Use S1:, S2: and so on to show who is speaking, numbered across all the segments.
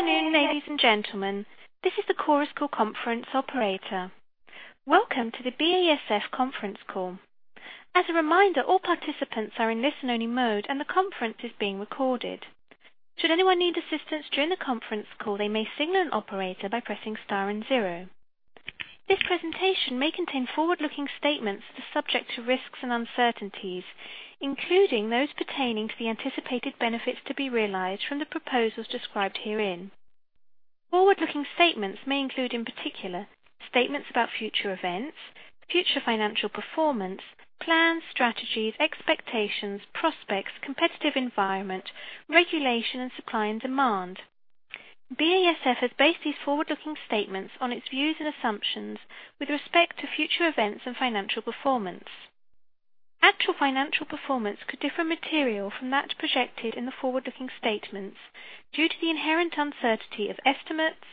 S1: Good afternoon, ladies and gentlemen. This is the Chorus Call conference operator. Welcome to the BASF conference call. As a reminder, all participants are in listen-only mode and the conference is being recorded. Should anyone need assistance during the conference call, they may signal an operator by pressing star and zero. This presentation may contain forward-looking statements that are subject to risks and uncertainties, including those pertaining to the anticipated benefits to be realized from the proposals described herein. Forward-looking statements may include, in particular, statements about future events, future financial performance, plans, strategies, expectations, prospects, competitive environment, regulation, and supply and demand. BASF has based these forward-looking statements on its views and assumptions with respect to future events and financial performance. Actual financial performance could differ materially from that projected in the forward-looking statements due to the inherent uncertainty of estimates,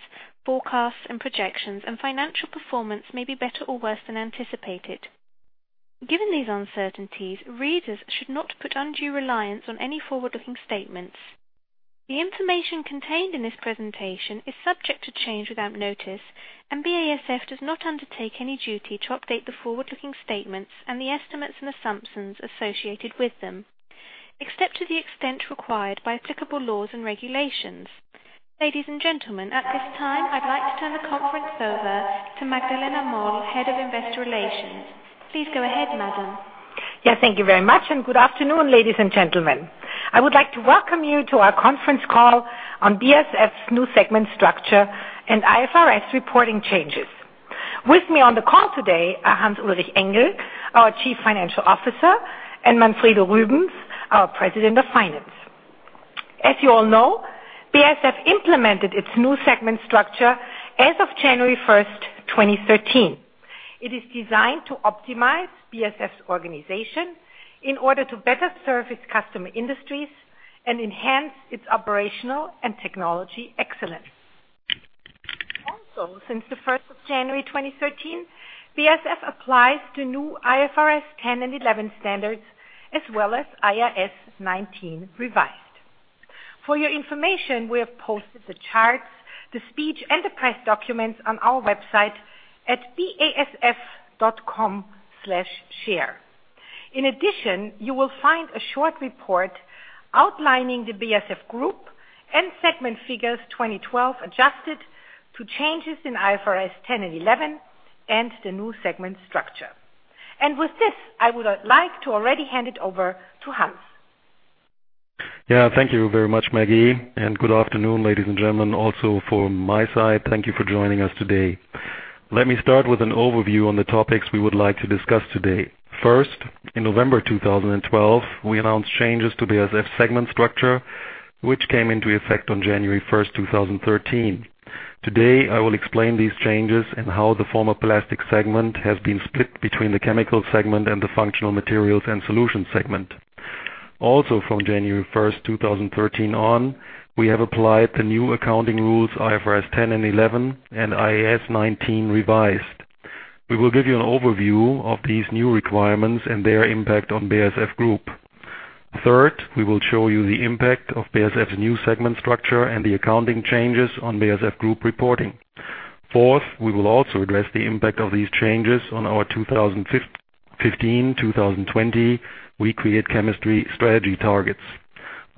S1: forecasts and projections, and financial performance may be better or worse than anticipated. Given these uncertainties, readers should not put undue reliance on any forward-looking statements. The information contained in this presentation is subject to change without notice, and BASF does not undertake any duty to update the forward-looking statements and the estimates and assumptions associated with them, except to the extent required by applicable laws and regulations. Ladies and gentlemen, at this time I'd like to turn the conference over to Magdalena Moll, Head of Investor Relations. Please go ahead, madam.
S2: Yes, thank you very much and good afternoon, ladies and gentlemen. I would like to welcome you to our conference call on BASF's new segment structure and IFRS reporting changes. With me on the call today are Hans-Ulrich Engel, our Chief Financial Officer, and Manfredo Rübens, our President of Finance. As you all know, BASF implemented its new segment structure as of January 1st, 2013. It is designed to optimize BASF's organization in order to better serve its customer industries and enhance its operational and technology excellence. Also, since the 1st January 2013, BASF applies to new IFRS 10 and 11 standards as well as IAS 19 Revised. For your information, we have posted the charts, the speech and the press documents on our website at basf.com/share. In addition, you will find a short report outlining the BASF group and segment figures 2012, adjusted to changes in IFRS 10 and 11 and the new segment structure. With this, I would like to already hand it over to Hans.
S3: Yeah, thank you very much, Maggie, and good afternoon, ladies and gentlemen. From my side, thank you for joining us today. Let me start with an overview on the topics we would like to discuss today. First, in November 2012, we announced changes to BASF segment structure which came into effect on January 1st, 2013. Today I will explain these changes and how the former Plastics Segment has been split between the Chemicals Segment and the Functional Materials & Solutions Segment. From January 1st, 2013 on, we have applied the new accounting rules IFRS 10 and 11 and IAS 19 Revised. We will give you an overview of these new requirements and their impact on BASF Group. Third, we will show you the impact of BASF's new segment structure and the accounting changes on BASF Group reporting. Fourth, we will also address the impact of these changes on our 2015, 2020 We Create Chemistry strategy targets.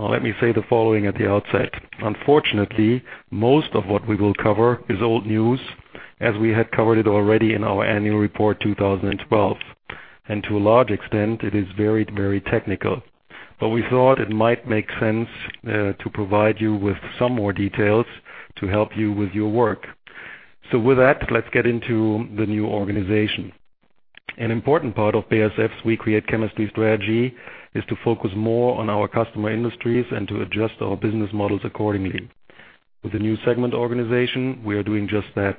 S3: Let me say the following at the outset. Unfortunately, most of what we will cover is old news as we had covered it already in our annual report 2012. To a large extent it is very technical, but we thought it might make sense to provide you with some more details to help you with your work. With that, let's get into the new organization. An important part of BASF's We Create Chemistry strategy is to focus more on our customer industries and to adjust our business models accordingly. With the new segment organization, we are doing just that.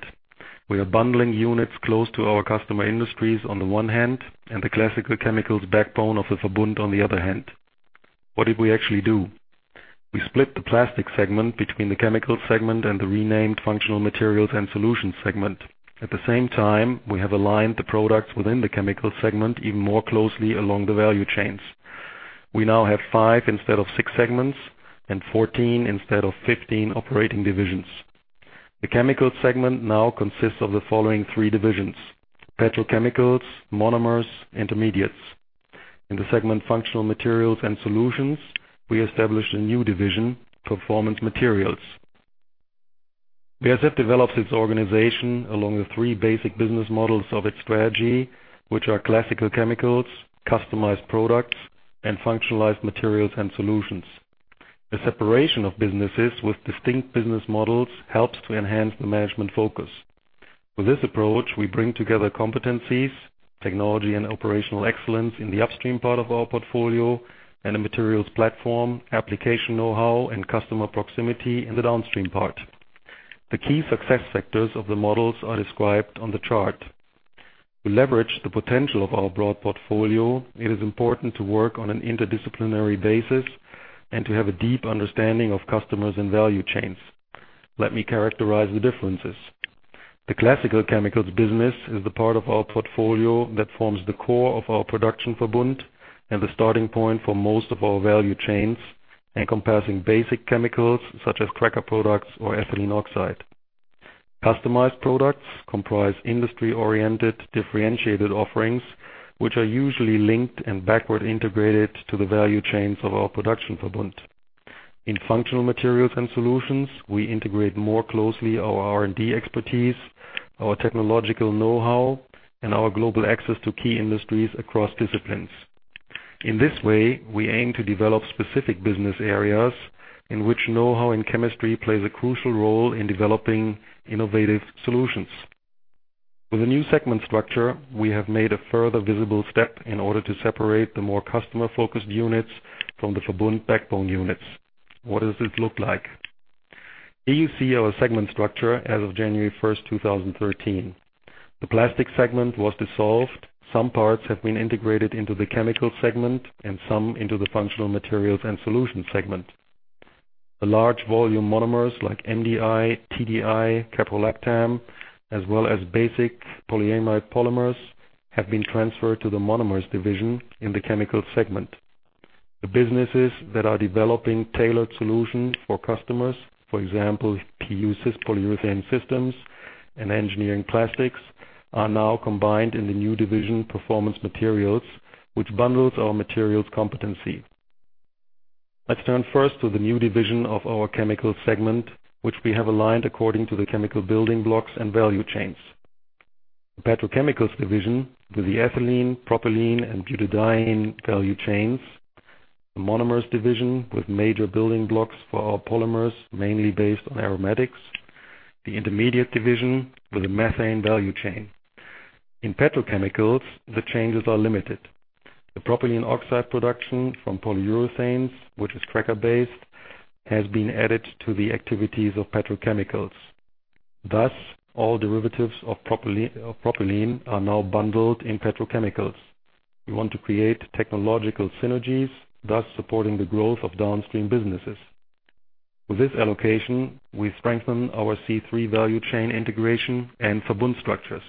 S3: We are bundling units close to our customer industries on the one hand and the classical chemicals backbone of the Verbund on the other hand. What did we actually do? We split the Plastics segment between the Chemicals segment and the renamed Functional Materials and Solutions segment. At the same time, we have aligned the products within the Chemicals segment even more closely along the value chains. We now have five instead of six segments and 14 instead of 15 operating divisions. The Chemicals segment now consists of the following three divisions, Petrochemicals, Monomers, Intermediates. In the Functional Materials and Solutions segment, we established a new division, Performance Materials. BASF develops its organization along the three basic business models of its strategy, which are classical chemicals, customized products, and functionalized materials and solutions. The separation of businesses with distinct business models helps to enhance the management focus. With this approach, we bring together competencies, technology and operational excellence in the upstream part of our portfolio and a materials platform, application know-how and customer proximity in the downstream part. The key success factors of the models are described on the chart. To leverage the potential of our broad portfolio, it is important to work on an interdisciplinary basis and to have a deep understanding of customers and value chains. Let me characterize the differences. The classical chemicals business is the part of our portfolio that forms the core of our production for Verbund and the starting point for most of our value chains, encompassing basic chemicals such as cracker products or ethylene oxide. Customized products comprise industry-oriented differentiated offerings, which are usually linked and backward integrated to the value chains of our production for Verbund. In Functional Materials and Solutions, we integrate more closely our R&D expertise, our technological know-how, and our global access to key industries across disciplines. In this way, we aim to develop specific business areas in which know-how in chemistry plays a crucial role in developing innovative solutions. With a new segment structure, we have made a further visible step in order to separate the more customer-focused units from the Verbund backbone units. What does it look like? Here you see our segment structure as of January 1st, 2013. The Plastics segment was dissolved. Some parts have been integrated into the Chemicals segment and some into the Functional Materials and Solutions segment. The large volume monomers like MDI, TDI, caprolactam, as well as basic polyamide polymers, have been transferred to the Monomers division in the Chemicals segment. The businesses that are developing tailored solutions for customers, for example, polyurethane systems and engineering plastics, are now combined in the new division Performance Materials, which bundles our materials competency. Let's turn first to the new division of our chemical segment, which we have aligned according to the chemical building blocks and value chains. Petrochemicals division with the ethylene, propylene, and butadiene value chains. The Monomers division with major building blocks for our polymers, mainly based on aromatics. The Intermediates division with a methane value chain. In petrochemicals, the changes are limited. The propylene oxide production from polyurethanes, which is cracker-based, has been added to the activities of petrochemicals. Thus, all derivatives of propylene are now bundled in petrochemicals. We want to create technological synergies, thus supporting the growth of downstream businesses. With this allocation, we strengthen our C3 value chain integration and for Verbund structures.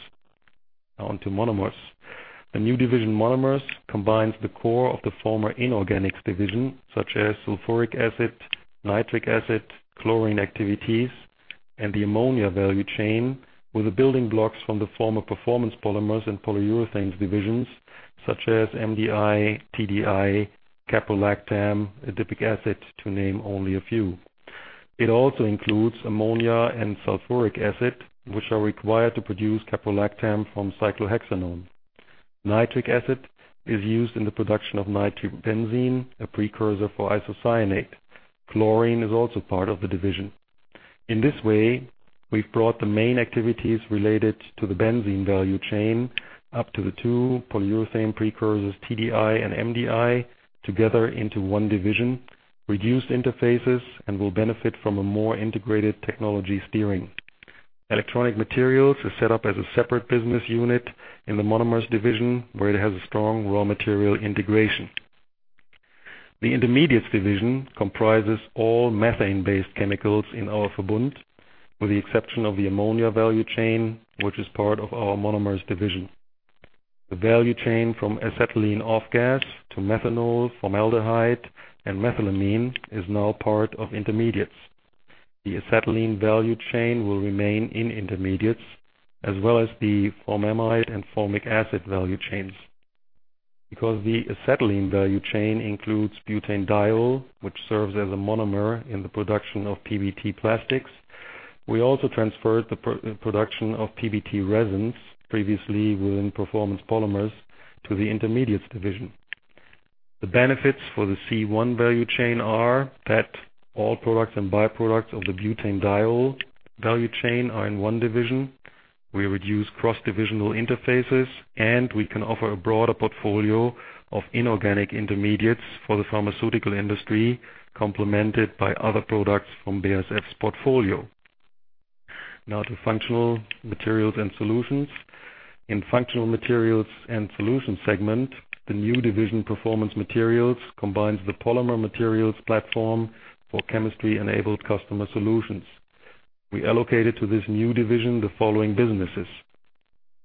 S3: Now on to monomers. The new division monomers combines the core of the former inorganics division, such as sulfuric acid, nitric acid, chlorine activities, and the ammonia value chain, with the building blocks from the former performance polymers and polyurethanes divisions such as MDI, TDI, caprolactam, adipic acid to name only a few. It also includes ammonia and sulfuric acid, which are required to produce caprolactam from cyclohexanone. Nitric acid is used in the production of nitrobenzene, a precursor for isocyanate. Chlorine is also part of the division. In this way, we've brought the main activities related to the benzene value chain up to the two polyurethane precursors, TDI and MDI, together into one division, reduced interfaces, and will benefit from a more integrated technology steering. Electronic Materials is set up as a separate business unit in the monomers division, where it has a strong raw material integration. The intermediates division comprises all methane-based chemicals in our Verbund, with the exception of the ammonia value chain, which is part of our monomers division. The value chain from acetylene off gas to methanol, formaldehyde, and methylamine is now part of intermediates. The acetylene value chain will remain in intermediates, as well as the formamide and formic acid value chains. Because the acetylene value chain includes butanediol, which serves as a monomer in the production of PBT plastics, we also transferred the production of PBT resins previously within performance polymers to the intermediates division. The benefits for the C1 value chain are that all products and byproducts of the butanediol value chain are in one division. We reduce cross-divisional interfaces, and we can offer a broader portfolio of inorganic intermediates for the pharmaceutical industry, complemented by other products from BASF's portfolio. Now to functional materials and solutions. In Functional Materials and Solutions segment, the new division Performance Materials combines the polymer materials platform for chemistry-enabled customer solutions. We allocated to this new division the following businesses: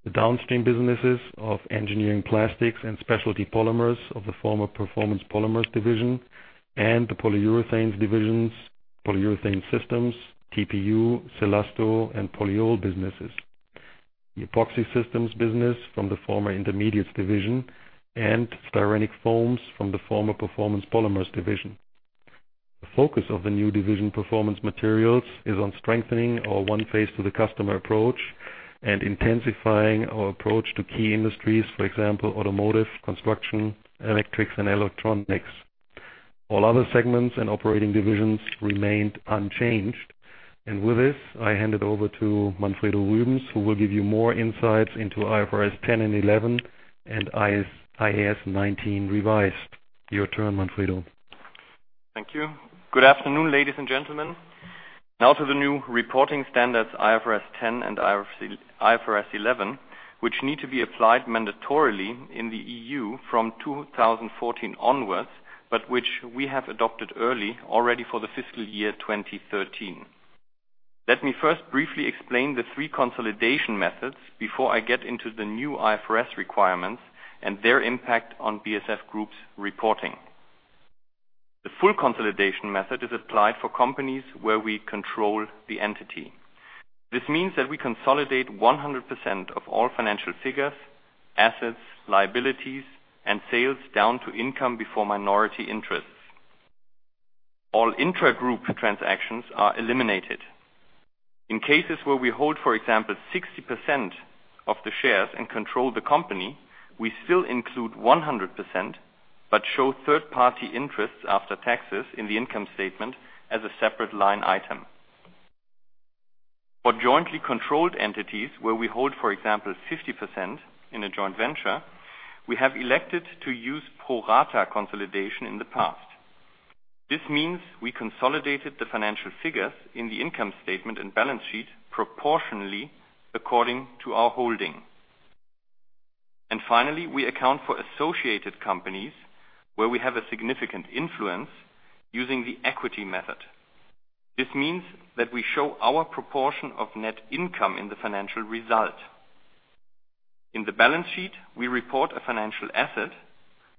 S3: the downstream businesses of engineering plastics and specialty polymers of the former Performance Polymers division and the Polyurethanes division, polyurethane systems, TPU, Cellasto, and polyol businesses. The epoxy systems business from the former Intermediates division and styrenic foams from the former Performance Polymers division. The focus of the new division Performance Materials is on strengthening our one face to the customer approach and intensifying our approach to key industries, for example, automotive, construction, electrics and electronics. All other segments and operating divisions remained unchanged. With this, I hand it over to Manfredo Rübens, who will give you more insights into IFRS 10 and 11 and IAS 19 Revised. Your turn, Manfredo.
S4: Thank you. Good afternoon, ladies and gentlemen. Now to the new reporting standards, IFRS 10 and IFRS 11, which need to be applied mandatorily in the EU from 2014 onwards, but which we have adopted early already for the fiscal year 2013. Let me first briefly explain the three consolidation methods before I get into the new IFRS requirements and their impact on BASF Group's reporting. The full consolidation method is applied for companies where we control the entity. This means that we consolidate 100% of all financial figures, assets, liabilities, and sales down to income before minority interests. All intra-group transactions are eliminated. In cases where we hold, for example, 60% of the shares and control the company, we still include 100% but show third-party interests after taxes in the income statement as a separate line item. For jointly controlled entities where we hold, for example, 50% in a joint venture, we have elected to use pro rata consolidation in the past. This means we consolidated the financial figures in the income statement and balance sheet proportionally according to our holding. Finally, we account for associated companies where we have a significant influence using the equity method. This means that we show our proportion of net income in the financial result. In the balance sheet, we report a financial asset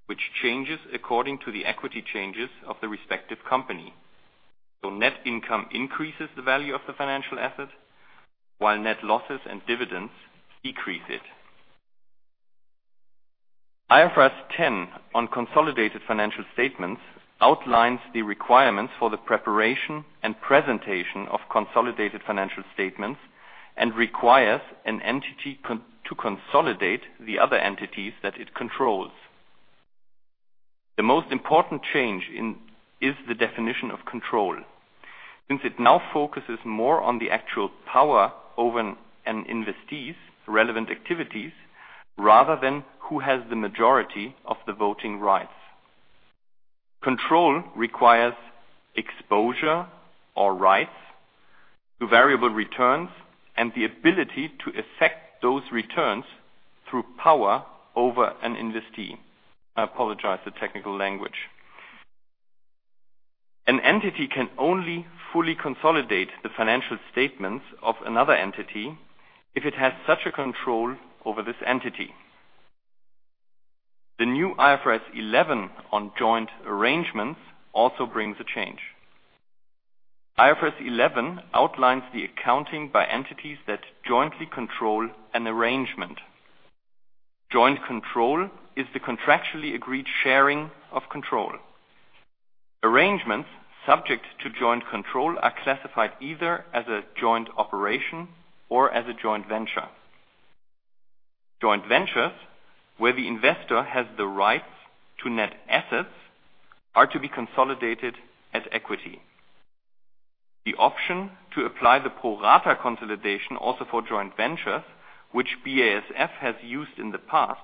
S4: which changes according to the equity changes of the respective company. Net income increases the value of the financial asset, while net losses and dividends decrease it. IFRS 10 on consolidated financial statements outlines the requirements for the preparation and presentation of consolidated financial statements and requires an entity to consolidate the other entities that it controls. The most important change is the definition of control, since it now focuses more on the actual power over an investee's relevant activities rather than who has the majority of the voting rights. Control requires exposure or rights to variable returns and the ability to affect those returns through power over an investee. I apologize for the technical language. An entity can only fully consolidate the financial statements of another entity if it has such a control over this entity. The new IFRS 11 on joint arrangements also brings a change. IFRS 11 outlines the accounting by entities that jointly control an arrangement. Joint control is the contractually agreed sharing of control. Arrangements subject to joint control are classified either as a joint operation or as a joint venture. Joint ventures where the investor has the rights to net assets are to be consolidated as equity. The option to apply the pro rata consolidation also for joint ventures, which BASF has used in the past,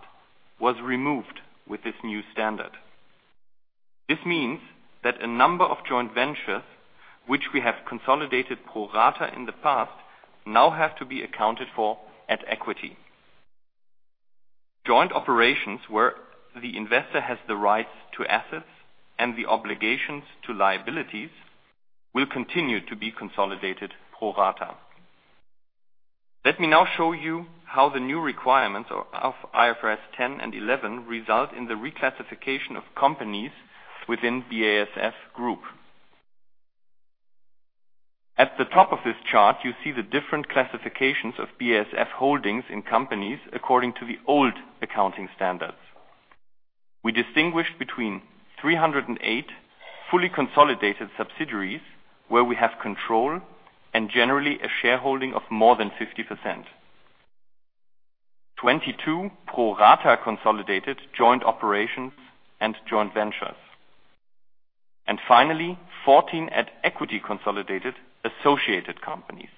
S4: was removed with this new standard. This means that a number of joint ventures which we have consolidated pro rata in the past now have to be accounted for at equity. Joint operations where the investor has the rights to assets and the obligations to liabilities will continue to be consolidated pro rata. Let me now show you how the new requirements of IFRS 10 and 11 result in the reclassification of companies within BASF Group. At the top of this chart, you see the different classifications of BASF holdings in companies according to the old accounting standards. We distinguish between 308 fully consolidated subsidiaries where we have control and generally a shareholding of more than 50%. 22 pro rata consolidated joint operations and joint ventures. Finally, 14 at equity consolidated associated companies.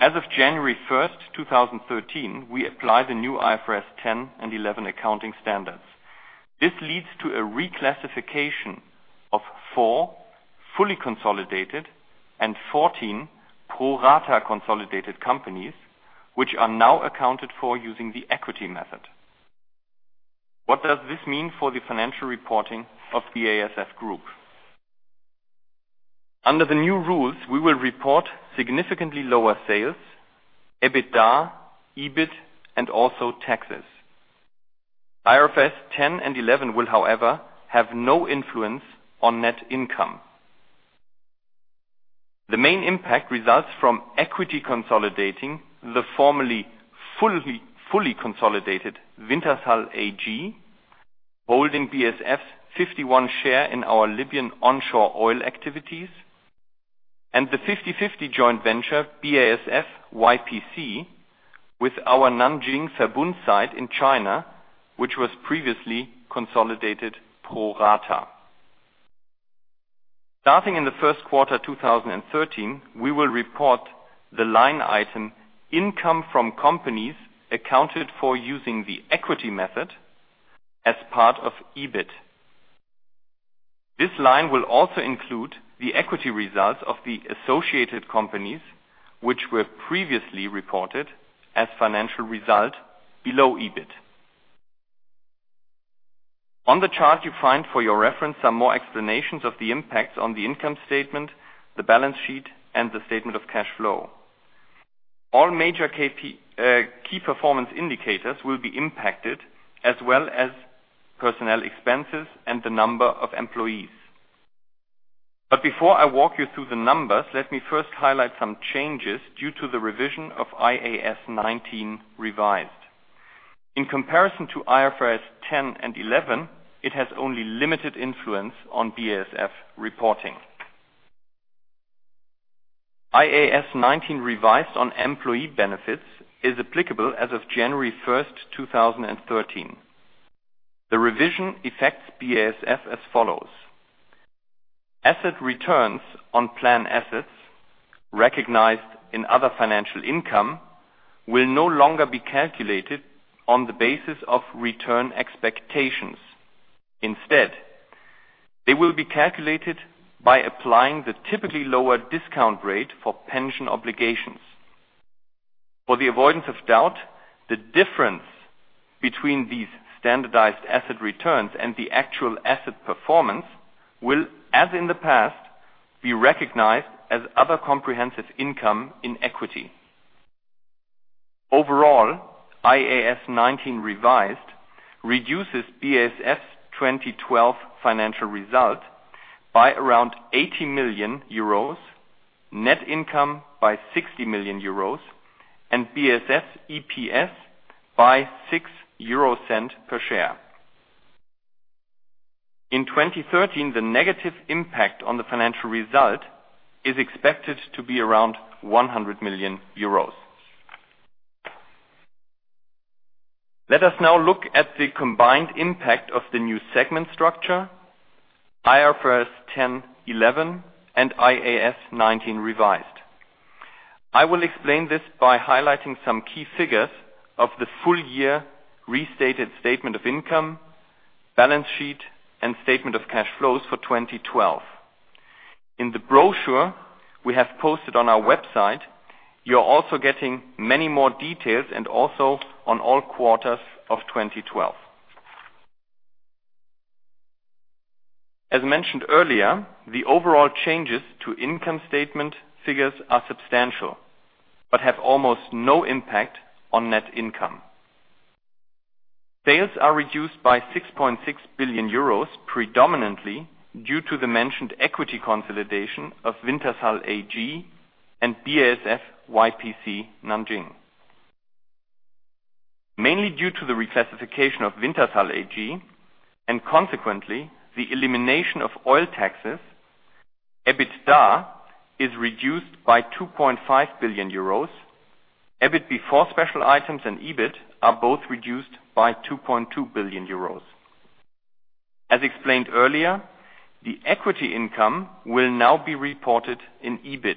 S4: As of January 1st, 2013, we apply the new IFRS 10 and 11 accounting standards. This leads to a reclassification of four fully consolidated and 14 pro rata consolidated companies, which are now accounted for using the equity method. What does this mean for the financial reporting of BASF Group? Under the new rules, we will report significantly lower sales, EBITDA, EBIT, and also taxes. IFRS 10 and 11 will, however, have no influence on net income. The main impact results from equity consolidating the formerly fully consolidated Wintershall AG, holding BASF 51 share in our Libyan onshore oil activities, and the 50/50 joint venture BASF YPC with our Nanjing Verbund site in China, which was previously consolidated pro rata. Starting in the first quarter 2013, we will report the line item income from companies accounted for using the equity method as part of EBIT. This line will also include the equity results of the associated companies which were previously reported as financial result below EBIT. On the chart you find for your reference some more explanations of the impacts on the income statement, the balance sheet, and the statement of cash flow. All major KPIs will be impacted as well as personnel expenses and the number of employees. Before I walk you through the numbers, let me first highlight some changes due to the revision of IAS 19 Revised. In comparison to IFRS 10 and 11, it has only limited influence on BASF reporting. IAS 19 Revised on employee benefits is applicable as of January 1st, 2013. The revision affects BASF as follows: asset returns on plan assets recognized in other financial income will no longer be calculated on the basis of return expectations. Instead, they will be calculated by applying the typically lower discount rate for pension obligations. For the avoidance of doubt, the difference between these standardized asset returns and the actual asset performance will, as in the past, be recognized as other comprehensive income in equity. Overall, IAS 19 Revised reduces BASF's 2012 financial result by around 80 million euros, net income by 60 million euros, and BASF's EPS by 0.06 EUR per share. In 2013, the negative impact on the financial result is expected to be around 100 million euros. Let us now look at the combined impact of the new segment structure, IFRS 10 and 11, and IAS 19 Revised. I will explain this by highlighting some key figures of the full year restated statement of income, balance sheet, and statement of cash flows for 2012. In the brochure we have posted on our website, you're also getting many more details and also on all quarters of 2012. As mentioned earlier, the overall changes to income statement figures are substantial, but have almost no impact on net income. Sales are reduced by 6.6 billion euros, predominantly due to the mentioned equity consolidation of Wintershall AG and C Nanjing. Mainly due to the reclassification of Wintershall AG and consequently the elimination of oil taxes, EBITDA is reduced by 2.5 billion euros. EBIT before special items and EBIT are both reduced by 2.2 billion euros. As explained earlier, the equity income will now be reported in EBIT.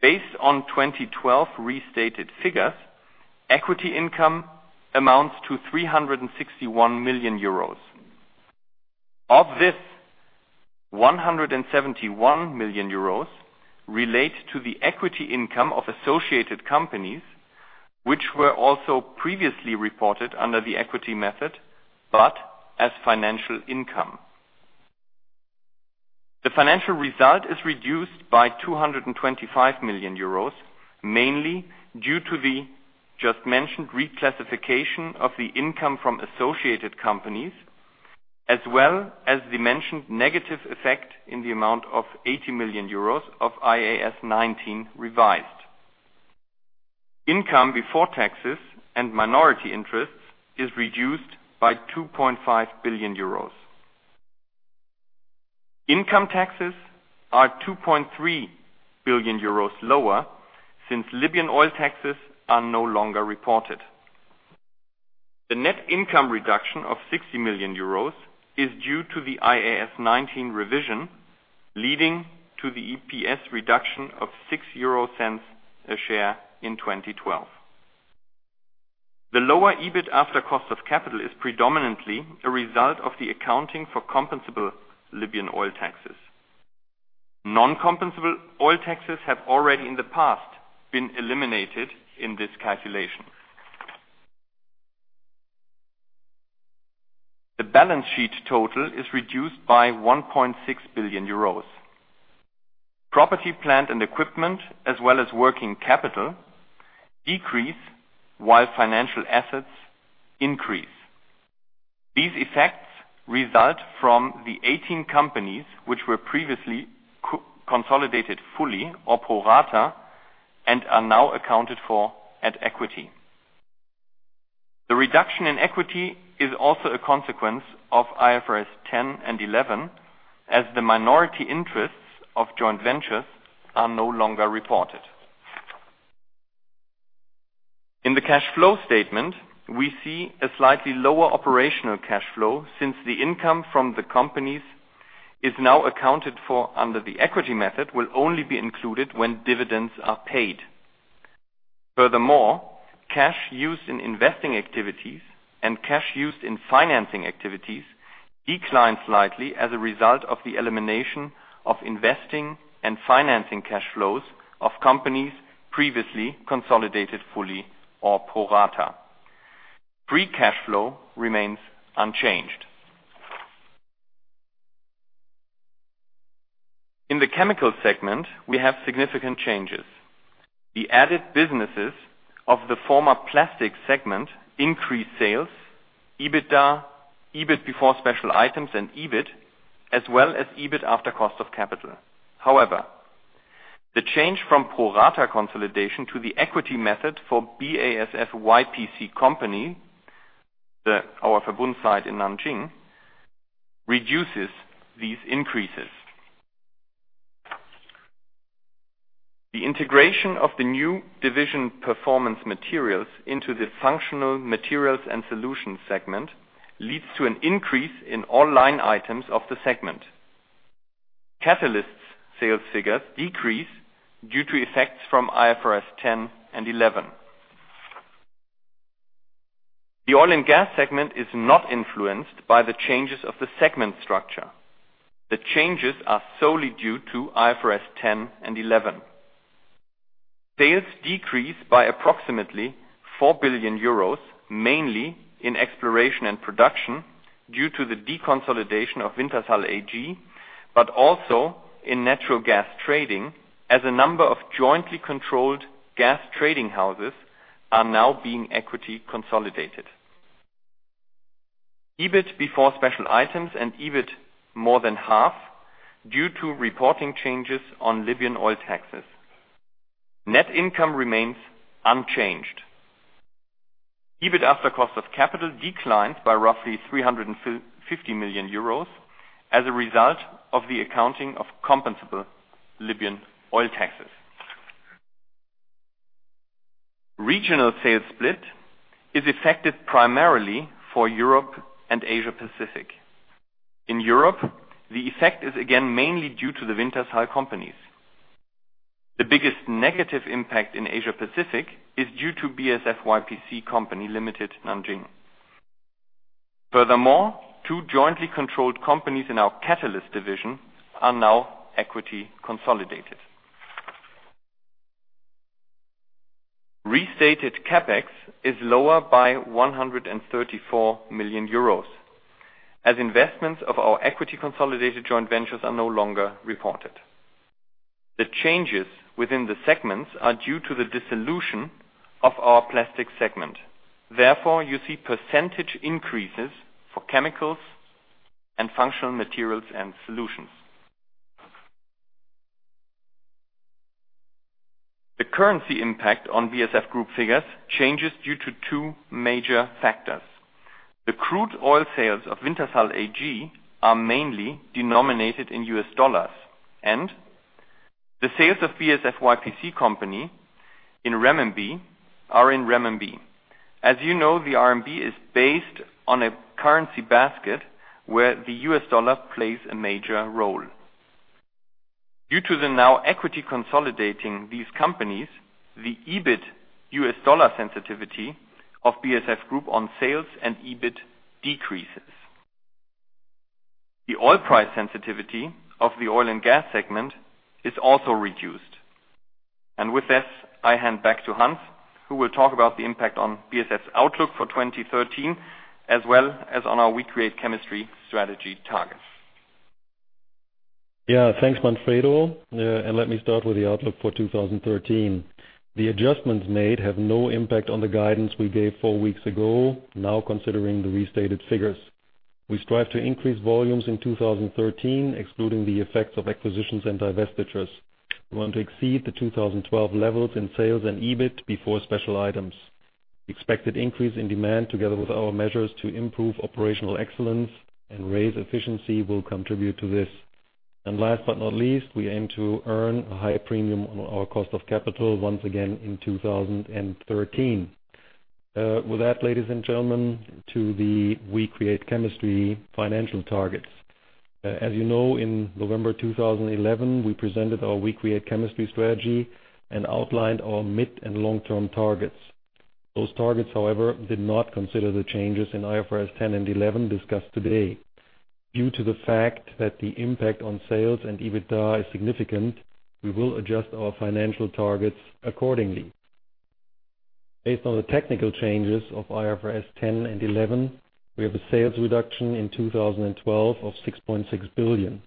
S4: Based on 2012 restated figures, equity income amounts to 361 million euros. Of this, 171 million euros relate to the equity income of associated companies, which were also previously reported under the equity method, but as financial income. The financial result is reduced by 225 million euros, mainly due to the just mentioned reclassification of the income from associated companies as well as the mentioned negative effect in the amount of 80 million euros of IAS 19 Revised. Income before taxes and minority interests is reduced by 2.5 billion euros. Income taxes are 2.3 billion euros lower since Libyan oil taxes are no longer reported. The net income reduction of 60 million euros is due to the IAS 19 revision, leading to the EPS reduction of 6 euro a share in 2012. The lower EBIT after cost of capital is predominantly a result of the accounting for compensable Libyan oil taxes. Non-compensable oil taxes have already in the past been eliminated in this calculation. The balance sheet total is reduced by 1.6 billion euros. Property, plant, and equipment, as well as working capital decrease while financial assets increase. These effects result from the 18 companies which were previously co-consolidated fully or pro rata and are now accounted for at equity. The reduction in equity is also a consequence of IFRS 10 and 11, as the minority interests of joint ventures are no longer reported. In the cash flow statement, we see a slightly lower operational cash flow since the income from the companies is now accounted for under the equity method, will only be included when dividends are paid. Furthermore, cash used in investing activities and cash used in financing activities declined slightly as a result of the elimination of investing and financing cash flows of companies previously consolidated fully or pro rata. Free cash flow remains unchanged. In the chemical segment, we have significant changes. The added businesses of the former plastic segment increased sales, EBITDA, EBIT before special items and EBIT, as well as EBIT after cost of capital. However, the change from pro rata consolidation to the equity method for BASF-YPC Company, our Verbund site in Nanjing, reduces these increases. The integration of the new division performance materials into the functional materials and solutions segment leads to an increase in all line items of the segment. Catalysts sales figures decrease due to effects from IFRS 10 and 11. The oil and gas segment is not influenced by the changes of the segment structure. The changes are solely due to IFRS 10 and 11. Sales decrease by approximately 4 billion euros, mainly in exploration and production due to the deconsolidation of Wintershall AG, but also in natural gas trading, as a number of jointly controlled gas trading houses are now being equity consolidated. EBIT before special items and EBIT more than half due to reporting changes on Libyan oil taxes. Net income remains unchanged. EBIT after cost of capital declined by roughly 350 million euros as a result of the accounting of compensable Libyan oil taxes. Regional sales split is affected primarily for Europe and Asia Pacific. In Europe, the effect is again mainly due to the Wintershall companies. The biggest negative impact in Asia Pacific is due to BASF-YPC Company Limited, Nanjing. Furthermore, two jointly controlled companies in our catalyst division are now equity consolidated. Restated CapEx is lower by 134 million euros as investments of our equity consolidated joint ventures are no longer reported. The changes within the segments are due to the dissolution of our plastic segment. Therefore, you see percentage increases for chemicals and functional materials and solutions. The currency impact on BASF Group figures changes due to two major factors. The crude oil sales of Wintershall AG are mainly denominated in US dollars, and the sales of BASF-YPC Company in renminbi are in renminbi. As you know, the RMB is based on a currency basket where the U.S. dollar plays a major role. Due to the now equity consolidating these companies, the EBIT U.S. dollar sensitivity of BASF Group on sales and EBIT decreases. The oil price sensitivity of the oil and gas segment is also reduced. With this, I hand back to Hans, who will talk about the impact on BASF's outlook for 2013 as well as on our We Create Chemistry strategy targets.
S3: Yeah, thanks, Manfredo. Let me start with the outlook for 2013. The adjustments made have no impact on the guidance we gave four weeks ago, now considering the restated figures. We strive to increase volumes in 2013, excluding the effects of acquisitions and divestitures. We want to exceed the 2012 levels in sales and EBIT before special items. Expected increase in demand together with our measures to improve operational excellence and raise efficiency will contribute to this. Last but not least, we aim to earn a higher premium on our cost of capital once again in 2013. With that, ladies and gentlemen, to the We Create Chemistry financial targets. As you know, in November 2011, we presented our We Create Chemistry strategy and outlined our mid- and long-term targets. Those targets, however, did not consider the changes in IFRS 10 and 11 discussed today. Due to the fact that the impact on sales and EBITDA is significant, we will adjust our financial targets accordingly. Based on the technical changes of IFRS 10 and 11, we have a sales reduction in 2012 of 6.6 billion.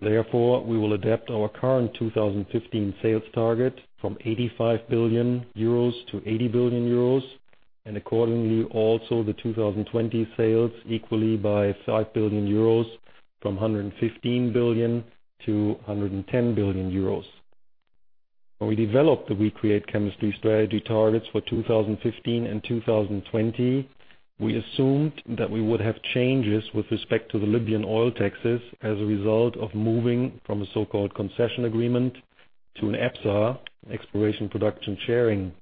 S3: Therefore, we will adapt our current 2015 sales target from 85 billion-80 billion euros, and accordingly also the 2020 sales equally by 5 billion euros from 115 billion-110 billion euros. When we developed the We Create Chemistry strategy targets for 2015 and 2020, we assumed that we would have changes with respect to the Libyan oil taxes as a result of moving from a so-called concession agreement to an EPSA, exploration production sharing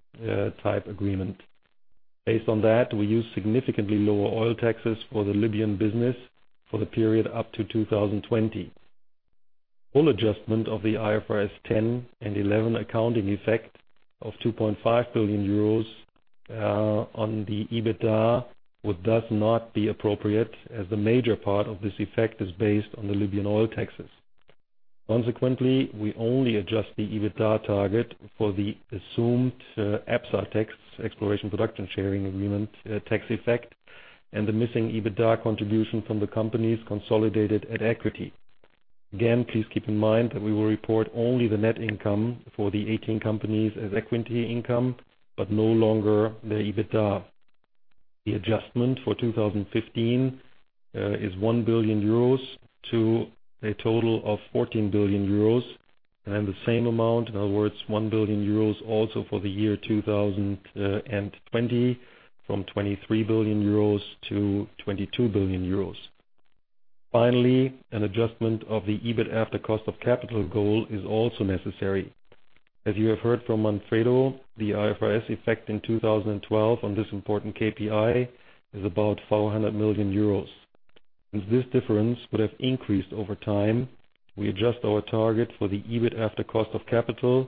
S3: type agreement. Based on that, we use significantly lower oil taxes for the Libyan business for the period up to 2020. Full adjustment of the IFRS 10 and 11 accounting effect of 2.5 billion euros on the EBITDA would thus not be appropriate as the major part of this effect is based on the Libyan oil taxes. Consequently, we only adjust the EBITDA target for the assumed EPSA tax, exploration production sharing agreement tax effect, and the missing EBITDA contribution from the companies consolidated at equity. Again, please keep in mind that we will report only the net income for the 18 companies as equity income, but no longer the EBITDA. The adjustment for 2015 is 1 billion euros to a total of 14 billion euros, and the same amount, in other words, 1 billion euros also for the year 2020 from 23 billion euros to 22 billion euros. Finally, an adjustment of the EBIT after cost of capital goal is also necessary. As you have heard from Manfredo, the IFRS effect in 2012 on this important KPI is about 400 million euros. Since this difference would have increased over time, we adjust our target for the EBIT after cost of capital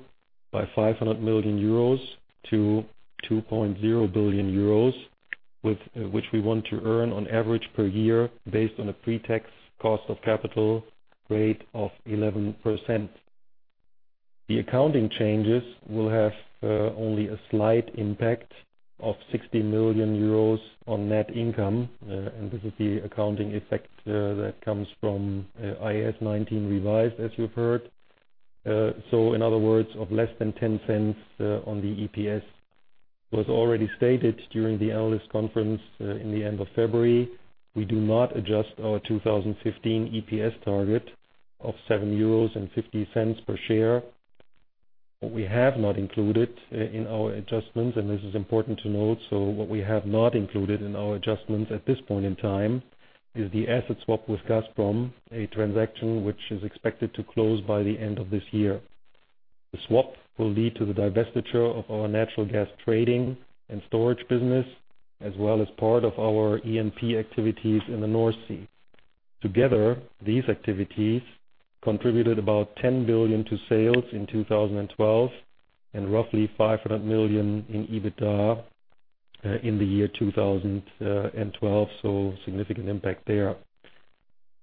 S3: by 500 million euros to 2.0 billion euros with which we want to earn on average per year based on a pre-tax cost of capital rate of 11%. The accounting changes will have only a slight impact of 60 million euros on net income, and this is the accounting effect that comes from IAS 19 Revised, as you've heard. In other words, an impact of less than 0.10 on the EPS was already stated during the analyst conference in the end of February. We do not adjust our 2015 EPS target of 7.50 euros per share. What we have not included in our adjustments, and this is important to note, what we have not included in our adjustments at this point in time is the asset swap with Gazprom, a transaction which is expected to close by the end of this year. The swap will lead to the divestiture of our natural gas trading and storage business, as well as part of our E&P activities in the North Sea. Together, these activities contributed about 10 billion to sales in 2012 and roughly 500 million in EBITDA in the year 2012, significant impact there.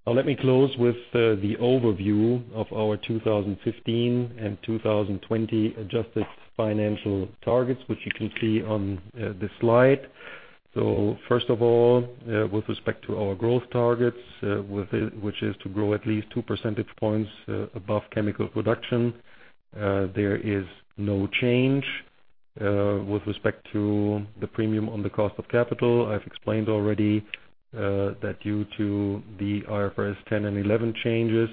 S3: Now let me close with the overview of our 2015 and 2020 adjusted financial targets, which you can see on this slide. First of all, with respect to our growth targets, which is to grow at least 2 percentage points above chemical production, there is no change with respect to the premium on the cost of capital. I've explained already that due to the IFRS 10 and 11 changes,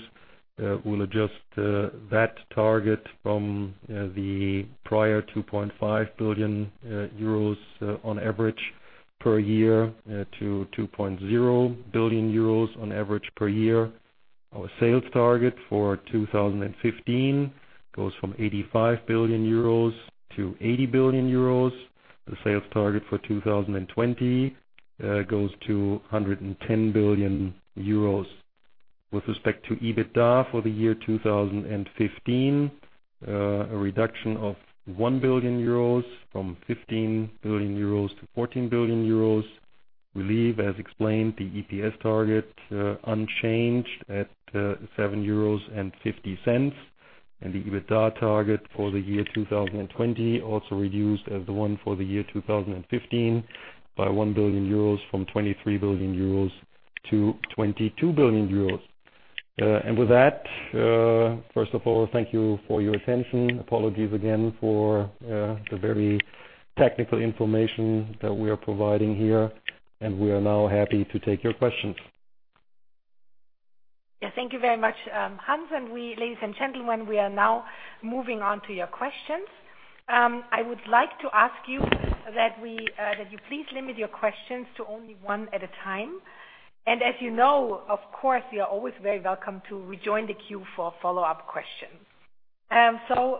S3: we'll adjust that target from the prior 2.5 billion euros on average per year to 2.0 billion euros on average per year. Our sales target for 2015 goes from 85 billion-80 billion euros. The sales target for 2020 goes to 110 billion euros. With respect to EBITDA for the year 2015, a reduction of 1 billion euros from 15 billion-14 billion euros. We leave, as explained, the EPS target unchanged at €7.50, and the EBITDA target for the year 2020 also reduced as the one for the year 2015 by 1 billion euros from 23 billion-22 billion euros. With that, first of all, thank you for your attention. Apologies again for the very technical information that we are providing here, and we are now happy to take your questions.
S2: Yes, thank you very much, Hans. We, ladies and gentlemen, are now moving on to your questions. I would like to ask you that you please limit your questions to only one at a time. As you know, of course, you are always very welcome to rejoin the queue for follow-up questions.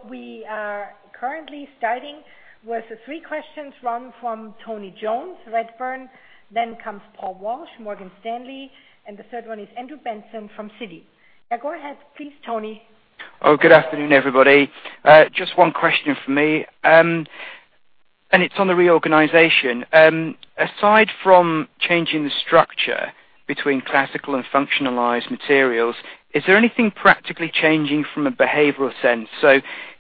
S2: We are currently starting with three questions, one from Tony Jones, Redburn, then comes Paul Walsh, Morgan Stanley, and the third one is Andrew Benson from Citi. Now go ahead, please, Tony.
S5: Oh, good afternoon, everybody. Just one question for me. It's on the reorganization. Aside from changing the structure between classical and functionalized materials, is there anything practically changing from a behavioral sense?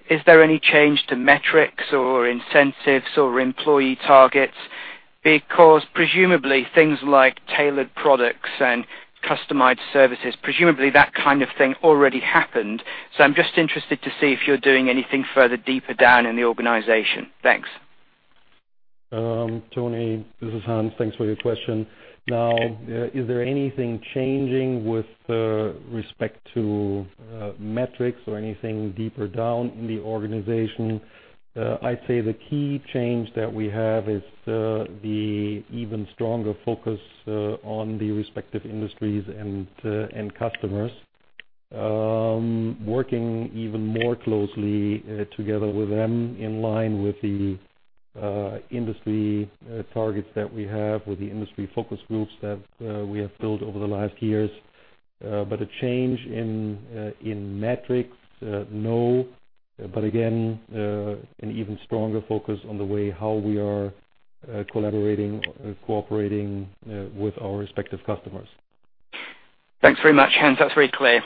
S5: Is there any change to metrics or incentives or employee targets? Because presumably things like tailored products and customized services, presumably that kind of thing already happened. I'm just interested to see if you're doing anything further deeper down in the organization. Thanks.
S3: Tony, this is Hans. Thanks for your question. Now, is there anything changing with respect to metrics or anything deeper down in the organization? I'd say the key change that we have is the even stronger focus on the respective industries and customers. Working even more closely together with them in line with the industry targets that we have with the industry focus groups that we have built over the last years. A change in metrics, no. Again, an even stronger focus on the way how we are collaborating, cooperating with our respective customers.
S5: Thanks very much, Hans. That's very clear.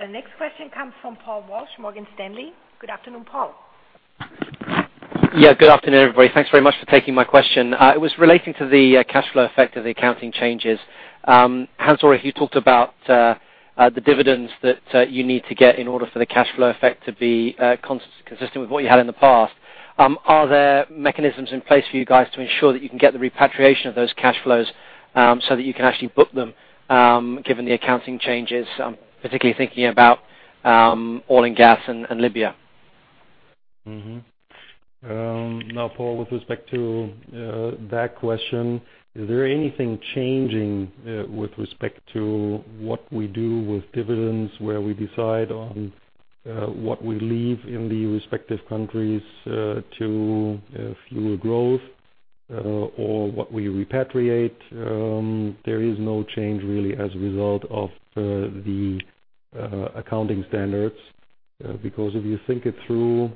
S1: The next question comes from Paul Walsh, Morgan Stanley. Good afternoon, Paul.
S6: Yeah, good afternoon, everybody. Thanks very much for taking my question. It was relating to the cash flow effect of the accounting changes. Hans, earlier you talked about the dividends that you need to get in order for the cash flow effect to be consistent with what you had in the past. Are there mechanisms in place for you guys to ensure that you can get the repatriation of those cash flows so that you can actually book them given the accounting changes, particularly thinking about oil and gas and Libya?
S3: Now, Paul, with respect to that question, is there anything changing with respect to what we do with dividends, where we decide on what we leave in the respective countries to fuel growth or what we repatriate? There is no change really as a result of the accounting standards. Because if you think it through,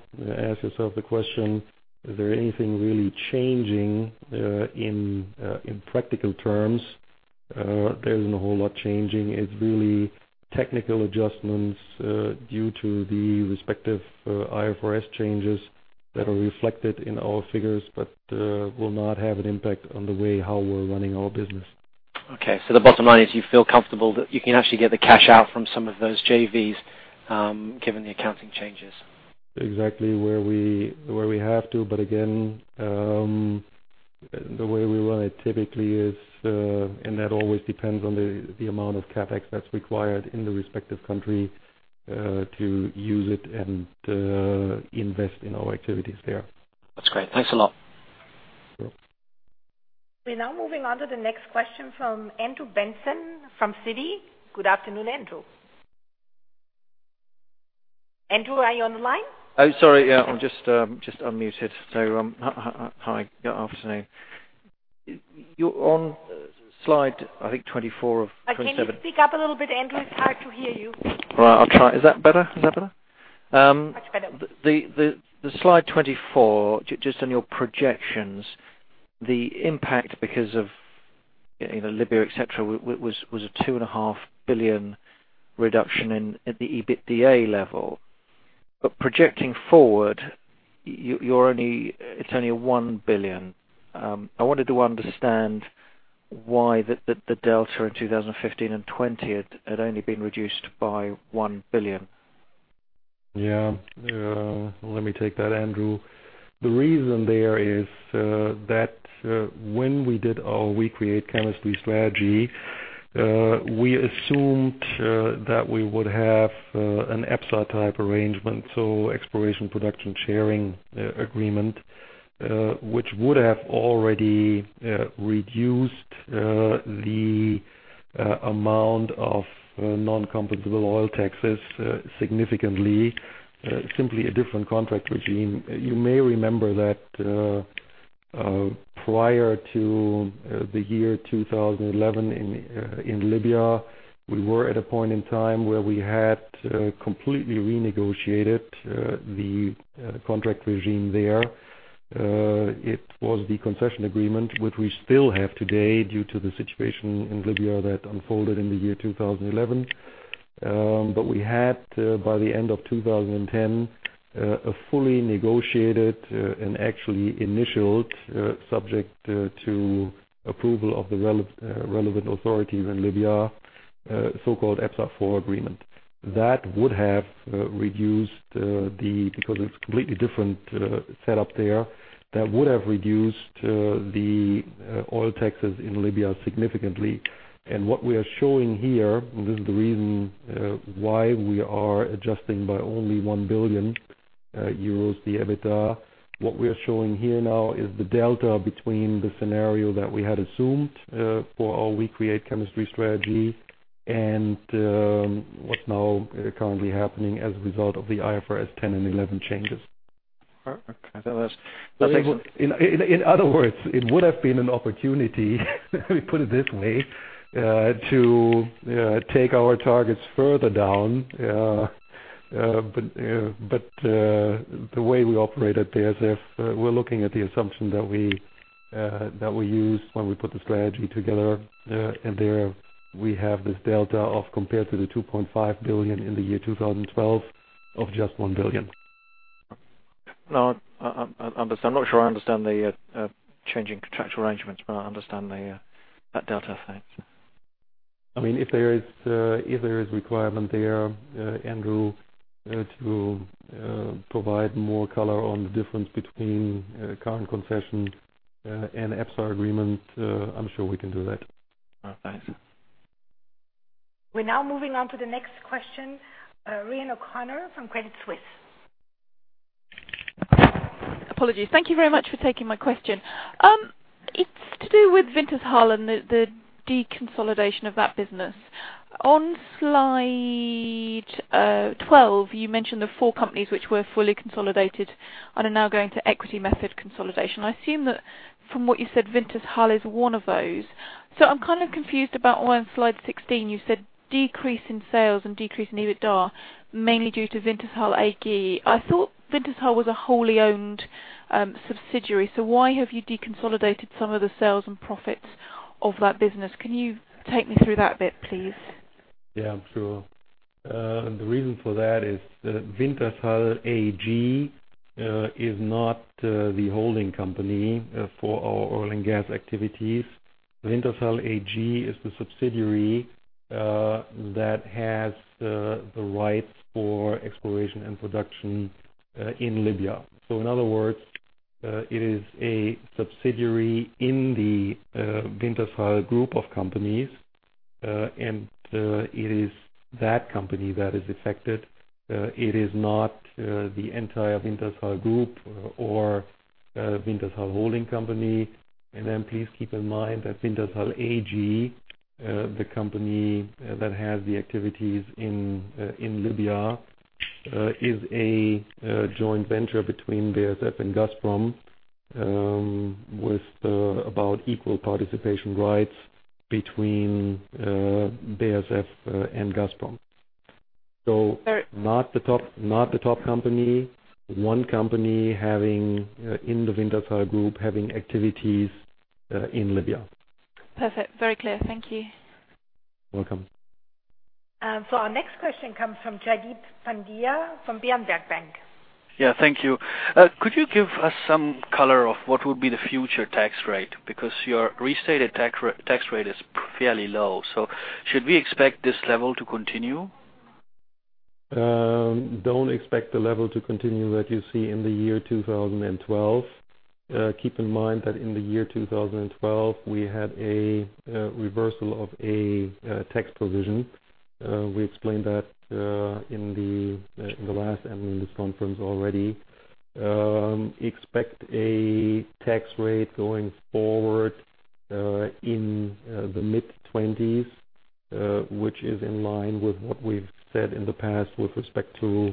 S3: ask yourself the question, is there anything really changing in practical terms? There isn't a whole lot changing. It's really technical adjustments due to the respective IFRS changes that are reflected in our figures, but will not have an impact on the way how we're running our business.
S6: Okay. The bottom line is you feel comfortable that you can actually get the cash out from some of those JVs, given the accounting changes.
S3: Exactly where we have to. Again, the way we run it typically is, and that always depends on the amount of CapEx that's required in the respective country to use it and invest in our activities there.
S6: That's great. Thanks a lot.
S3: Sure.
S1: We're now moving on to the next question from Andrew Benson from Citi. Good afternoon, Andrew. Andrew, are you on the line?
S7: Oh, sorry. Yeah. I'm just unmuted. Hi. Good afternoon. You're on slide, I think, 24 of 27.
S1: Can you speak up a little bit, Andrew? It's hard to hear you.
S7: All right. I'll try. Is that better? Is that better?
S1: Much better.
S7: The slide 24, just on your projections, the impact because of, you know, Libya, et cetera, was a 2.5 billion reduction at the EBITDA level. Projecting forward, it's only a 1 billion. I wanted to understand why the delta in 2015 and 2020 had only been reduced by 1 billion.
S3: Yeah. Let me take that, Andrew. The reason there is that when we did our We Create Chemistry strategy, we assumed that we would have an EPSA type arrangement, so Exploration Production Sharing Agreement, which would have already reduced the amount of non-compensable oil taxes significantly, simply a different contract regime. You may remember that prior to the year 2011 in Libya, we were at a point in time where we had completely renegotiated the contract regime there. It was the concession agreement, which we still have today, due to the situation in Libya that unfolded in the year 2011. We had, by the end of 2010, a fully negotiated and actually initialed, subject to approval of the relevant authorities in Libya, so-called EPSA4 agreement. That would have reduced because it's completely different setup there, that would have reduced the oil taxes in Libya significantly. What we are showing here, this is the reason why we are adjusting by only 1 billion euros the EBITDA. What we are showing here now is the delta between the scenario that we had assumed for our We create chemistry strategy and what's now currently happening as a result of the IFRS 10 and 11 changes.
S7: Okay.
S3: In other words, it would have been an opportunity, let me put it this way, to take our targets further down. But the way we operate at BASF, we're looking at the assumption that we used when we put the strategy together. There we have this delta compared to the 2.5 billion in the year 2012 of just 1 billion.
S7: No, I'm not sure I understand the changing contractual arrangements, but I understand that delta effect.
S3: I mean, if there is requirement there, Andrew, to provide more color on the difference between current concession and EPSA agreement, I'm sure we can do that.
S7: All right. Thanks.
S1: We're now moving on to the next question, Rhian O'Connor from Credit Suisse.
S8: Apologies. Thank you very much for taking my question. It's to do with Wintershall and the deconsolidation of that business. On slide 12, you mentioned the four companies which were fully consolidated and are now going to equity method consolidation. I assume that from what you said, Wintershall is one of those. I'm kind of confused about why on slide 16 you said decrease in sales and decrease in EBITDA, mainly due to Wintershall AG. I thought Wintershall was a wholly owned subsidiary, so why have you deconsolidated some of the sales and profits of that business? Can you take me through that bit, please?
S3: Yeah, sure. The reason for that is that Wintershall AG is not the holding company for our oil and gas activities. Wintershall AG is the subsidiary that has the rights for exploration and production in Libya. In other words, it is a subsidiary in the Wintershall group of companies, and it is that company that is affected. It is not the entire Wintershall group or Wintershall holding company. Please keep in mind that Wintershall AG, the company that has the activities in Libya, is a joint venture between BASF and Gazprom, with about equal participation rights between BASF and Gazprom.
S8: Very-
S3: Not the top company, one company having activities in the Wintershall group in Libya.
S8: Perfect. Very clear. Thank you.
S3: Welcome.
S1: Our next question comes from Jaideep Pandya, from Berenberg Bank.
S9: Yeah, thank you. Could you give us some color on what would be the future tax rate? Because your restated tax rate is fairly low, so should we expect this level to continue?
S3: Don't expect the level to continue that you see in the year 2012. Keep in mind that in the year 2012, we had a reversal of a tax provision. We explained that in the last earnings conference already. Expect a tax rate going forward in the mid-20%s, which is in line with what we've said in the past with respect to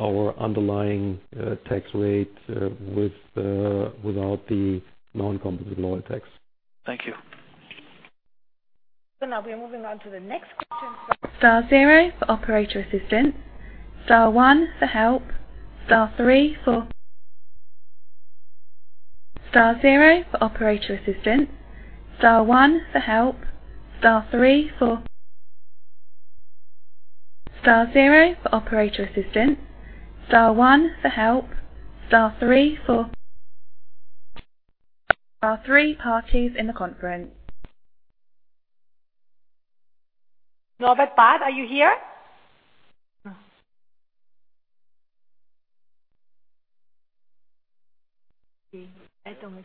S3: our underlying tax rate without the non-competitive lower tax.
S9: Thank you.
S1: Now we are moving on to the next question. Star zero for operator assistance, star one for help, star three for. Star zero for operator assistance, star one for help, star three for. Star zero for operator assistance, star one for help, star three for. Star three parties in the conference.
S2: Norbert Barth, are you here? No. Okay. I don't mind.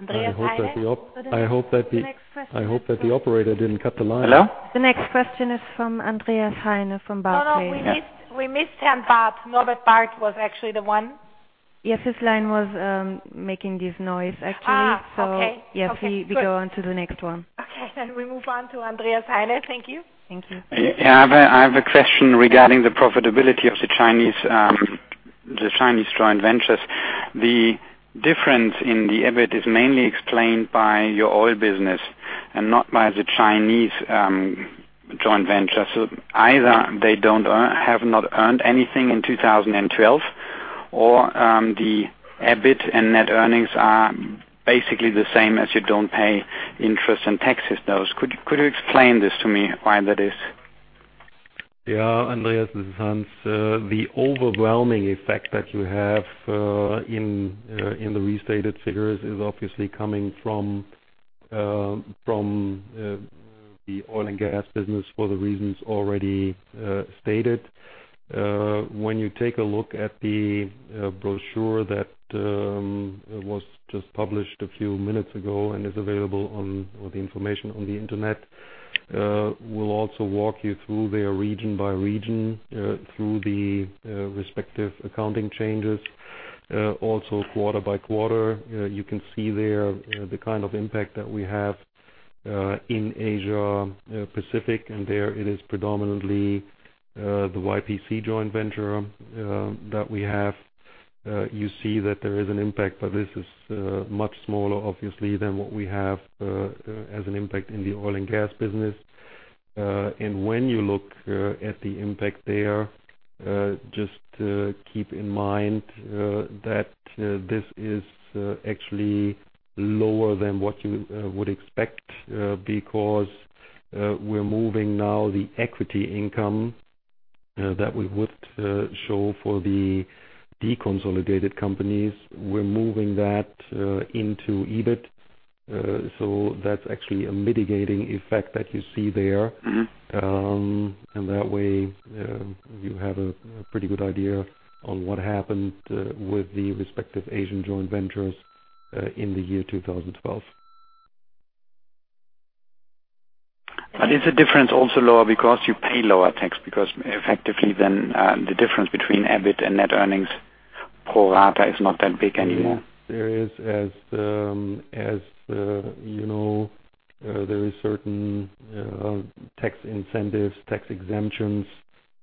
S2: Andreas Heine.
S3: I hope that the
S1: The next question.
S3: I hope that the operator didn't cut the line.
S10: Hello?
S1: The next question is from Andreas Hein from Barclays.
S2: No, no. We missed him, Barth. Norbert Barth was actually the one.
S1: Yes, his line was making this noise, actually.
S2: Okay.
S1: Yes.
S2: Okay, good.
S1: We go on to the next one.
S2: Okay. We move on to Andreas Hein. Thank you.
S1: Thank you.
S11: Yeah. I've a question regarding the profitability of the Chinese joint ventures. The difference in the EBIT is mainly explained by your oil business and not by the Chinese joint venture. Either they have not earned anything in 2012, or the EBIT and net earnings are basically the same as you don't pay interest and taxes. Could you explain this to me, why that is?
S3: Yeah, Andreas, this is Hans. The overwhelming effect that you have in the restated figures is obviously coming from the oil and gas business for the reasons already stated. When you take a look at the brochure that was just published a few minutes ago and is available on all the information on the internet, we'll also walk you through there region by region through the respective accounting changes. Also quarter by quarter, you can see there the kind of impact that we have in Asia Pacific, and there it is predominantly the YPC joint venture that we have. You see that there is an impact, but this is much smaller obviously than what we have as an impact in the oil and gas business. When you look at the impact there, just keep in mind that this is actually lower than what you would expect, because we're moving now the equity income that we would show for the deconsolidated companies. We're moving that into EBIT, so that's actually a mitigating effect that you see there.
S11: Mm-hmm.
S3: That way, you have a pretty good idea on what happened with the respective Asian joint ventures in the year 2012.
S11: Is the difference also lower because you pay lower tax? Because effectively then, the difference between EBIT and net earnings
S4: Pro rata is not that big anymore.
S3: there is certain tax incentives, tax exemptions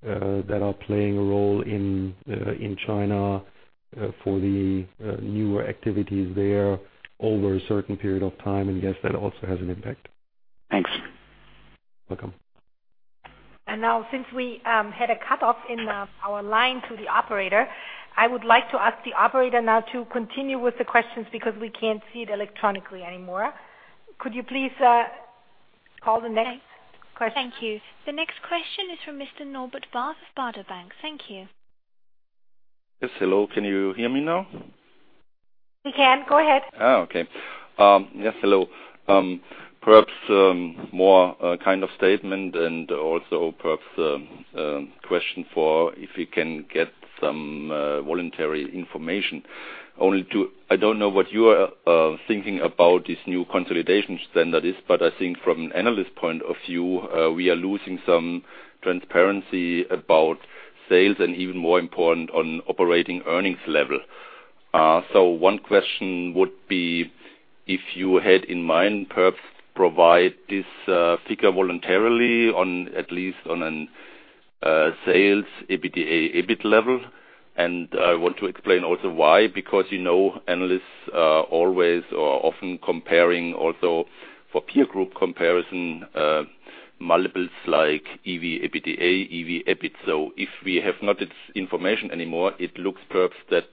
S3: that are playing a role in China for the newer activities there over a certain period of time, and yes, that also has an impact.
S11: Thanks.
S3: Welcome.
S2: Now, since we had a cutoff in our line to the operator, I would like to ask the operator now to continue with the questions because we can't see it electronically anymore. Could you please call the next question?
S1: Thank you. The next question is from Mr. Norbert Barth of Baader Bank. Thank you.
S10: Yes. Hello. Can you hear me now?
S1: We can. Go ahead.
S10: Oh, okay. Yes, hello. Perhaps more kind of statement and also perhaps question for if you can get some voluntary information. I don't know what you are thinking about these new consolidation standards, but I think from an analyst point of view, we are losing some transparency about sales and even more important on operating earnings level. So one question would be if you had in mind, perhaps provide this figure voluntarily on at least a sales EBITDA, EBIT level. I want to explain also why, because, you know, analysts always are often comparing also for peer group comparison multiples like EV, EBITDA, EV, EBIT. So if we have not this information anymore, it looks perhaps that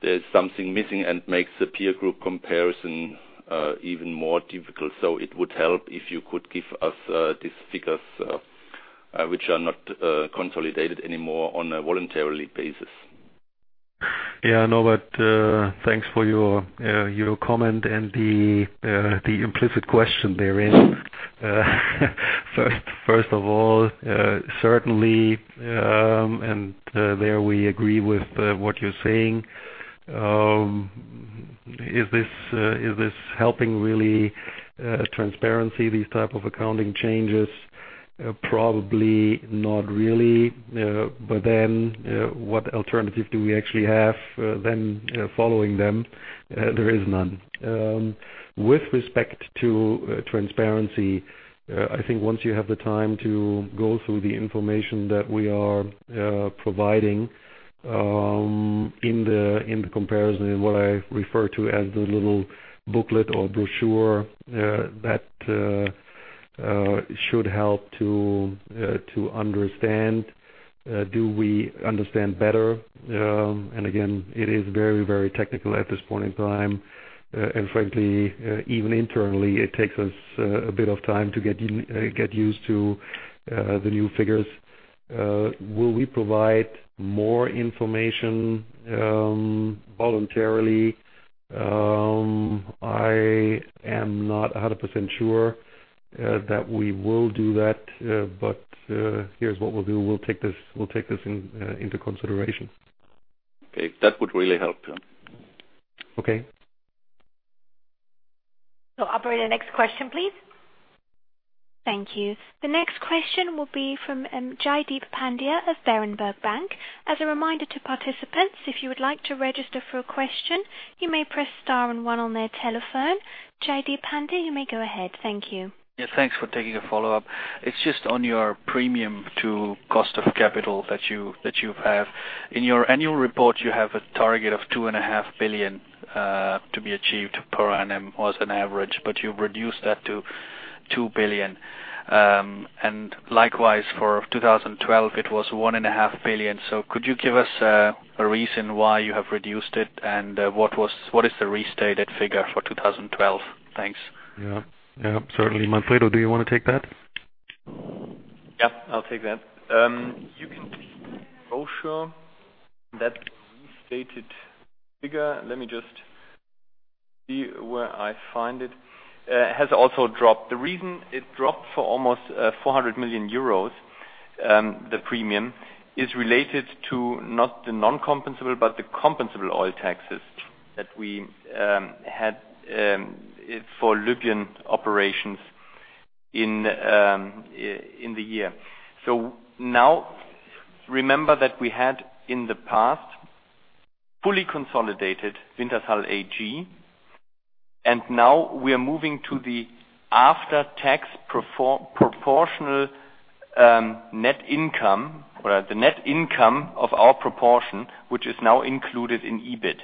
S10: there's something missing and makes the peer group comparison even more difficult. It would help if you could give us these figures, which are not consolidated anymore on a voluntary basis.
S3: Yeah, I know, but thanks for your comment and the implicit question therein. First of all, certainly, and there we agree with what you're saying. Is this really helping transparency, these type of accounting changes? Probably not really, but then, what alternative do we actually have then following them? There is none. With respect to transparency, I think once you have the time to go through the information that we are providing, in the comparison, in what I refer to as the little booklet or brochure, that should help to understand, do we understand better? Again, it is very, very technical at this point in time. Frankly, even internally, it takes us a bit of time to get used to the new figures. Will we provide more information voluntarily? I am not 100% sure that we will do that, but here's what we'll do. We'll take this into consideration.
S10: Okay. That would really help. Yeah.
S3: Okay.
S2: Operator, next question, please.
S1: Thank you. The next question will be from Jaideep Pandya of Berenberg Bank. As a reminder to participants, if you would like to register for a question, you may press star and one on their telephone. Jaideep Pandya, you may go ahead. Thank you.
S9: Yeah, thanks for taking a follow-up. It's just on your premium to cost of capital that you have. In your annual report, you have a target of 2.5 billion to be achieved per annum was an average, but you've reduced that to 2 billion. Likewise, for 2012, it was 1.5 billion. Could you give us a reason why you have reduced it, and what is the restated figure for 2012? Thanks.
S3: Yeah. Certainly. Manfredo, do you wanna take that?
S4: Yeah, I'll take that. You can see in the brochure that restated figure. Let me just see where I find it. It has also dropped. The reason it dropped for almost 400 million euros, the premium, is related to not the non-compensable, but the compensable oil taxes that we had for Libyan operations in the year. Now remember that we had in the past fully consolidated Wintershall AG, and now we are moving to the after-tax proportional net income, or the net income of our proportion, which is now included in EBIT.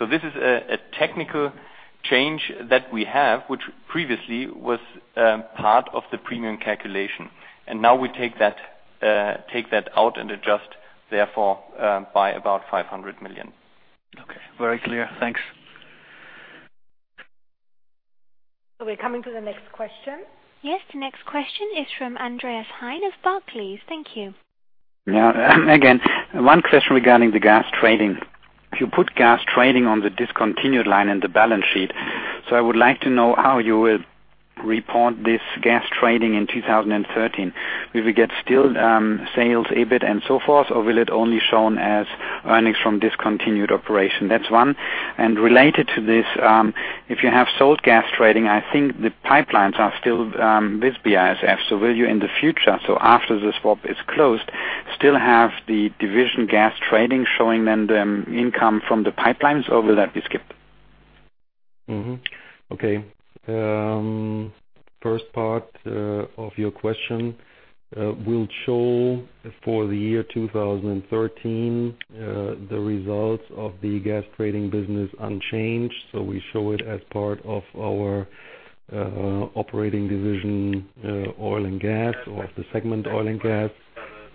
S4: This is a technical change that we have, which previously was part of the premium calculation. Now we take that out and adjust therefore by about 500 million.
S9: Okay. Very clear. Thanks.
S2: We're coming to the next question.
S1: Yes, the next question is from Andreas Hein of Barclays. Thank you.
S11: Yeah. Again, one question regarding the gas trading. If you put gas trading on the discontinued line in the balance sheet, I would like to know how you will report this gas trading in 2013. Will we still get sales, EBIT, and so forth, or will it only shown as earnings from discontinued operation? That's one. Related to this, if you have sold gas trading, I think the pipelines are still with BASF. Will you in the future, after the swap is closed, still have the division gas trading showing then the income from the pipelines, or will that be skipped?
S3: First part of your question, we'll show for the year 2013 the results of the gas trading business unchanged. We show it as part of our operating division, Oil and Gas, or the segment Oil and Gas.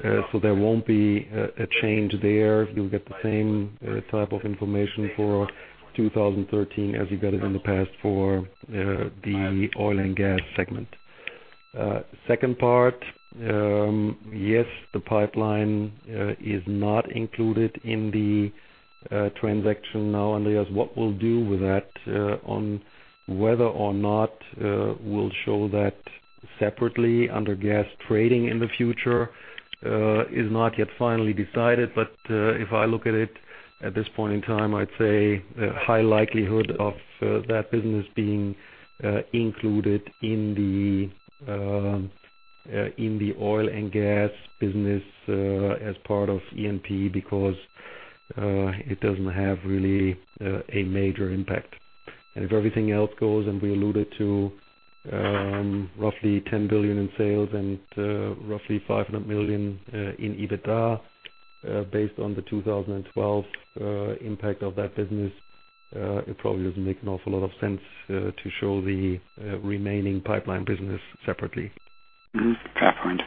S3: There won't be a change there. You'll get the same type of information for 2013 as you get in the past for the Oil and Gas segment. Second part, yes, the pipeline is not included in the transaction now, Andreas. What we'll do with that on whether or not we'll show that separately under gas trading in the future is not yet finally decided. If I look at it at this point in time, I'd say a high likelihood of that business being included in the oil and gas business as part of E&P, because it doesn't really have a major impact. If everything else goes, and we alluded to roughly 10 billion in sales and roughly 500 million in EBITDA based on the 2012 impact of that business, it probably doesn't make an awful lot of sense to show the remaining pipeline business separately.
S11: Mm-hmm. Fair point.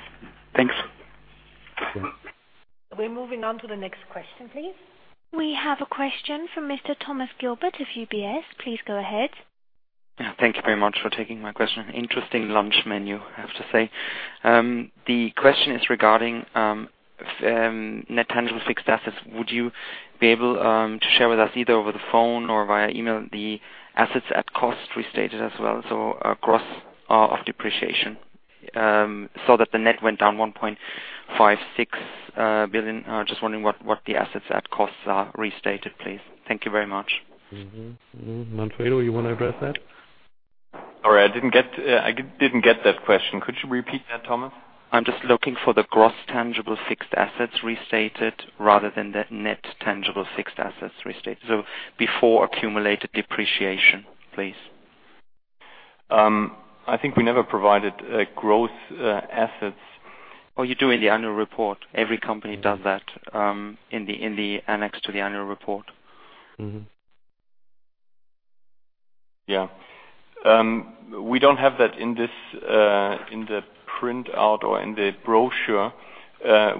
S11: Thanks.
S3: Sure.
S2: We're moving on to the next question, please.
S1: We have a question from Mr. Thomas Gilbert of UBS. Please go ahead.
S12: Yeah. Thank you very much for taking my question. Interesting lunch menu, I have to say. The question is regarding net tangible fixed assets. Would you be able to share with us, either over the phone or via email, the assets at cost restated as well, so net of depreciation, so that the net went down 1.56 billion? Just wondering what the assets at cost are restated, please. Thank you very much.
S3: Mm-hmm. Manfred, you wanna address that?
S4: Sorry, I didn't get that question. Could you repeat that, Thomas?
S12: I'm just looking for the gross tangible fixed assets restated rather than the net tangible fixed assets restated, so before accumulated depreciation, please.
S4: I think we never provided growth assets.
S12: Oh, you do in the annual report. Every company does that, in the annex to the annual report.
S4: We don't have that in this, in the printout or in the brochure.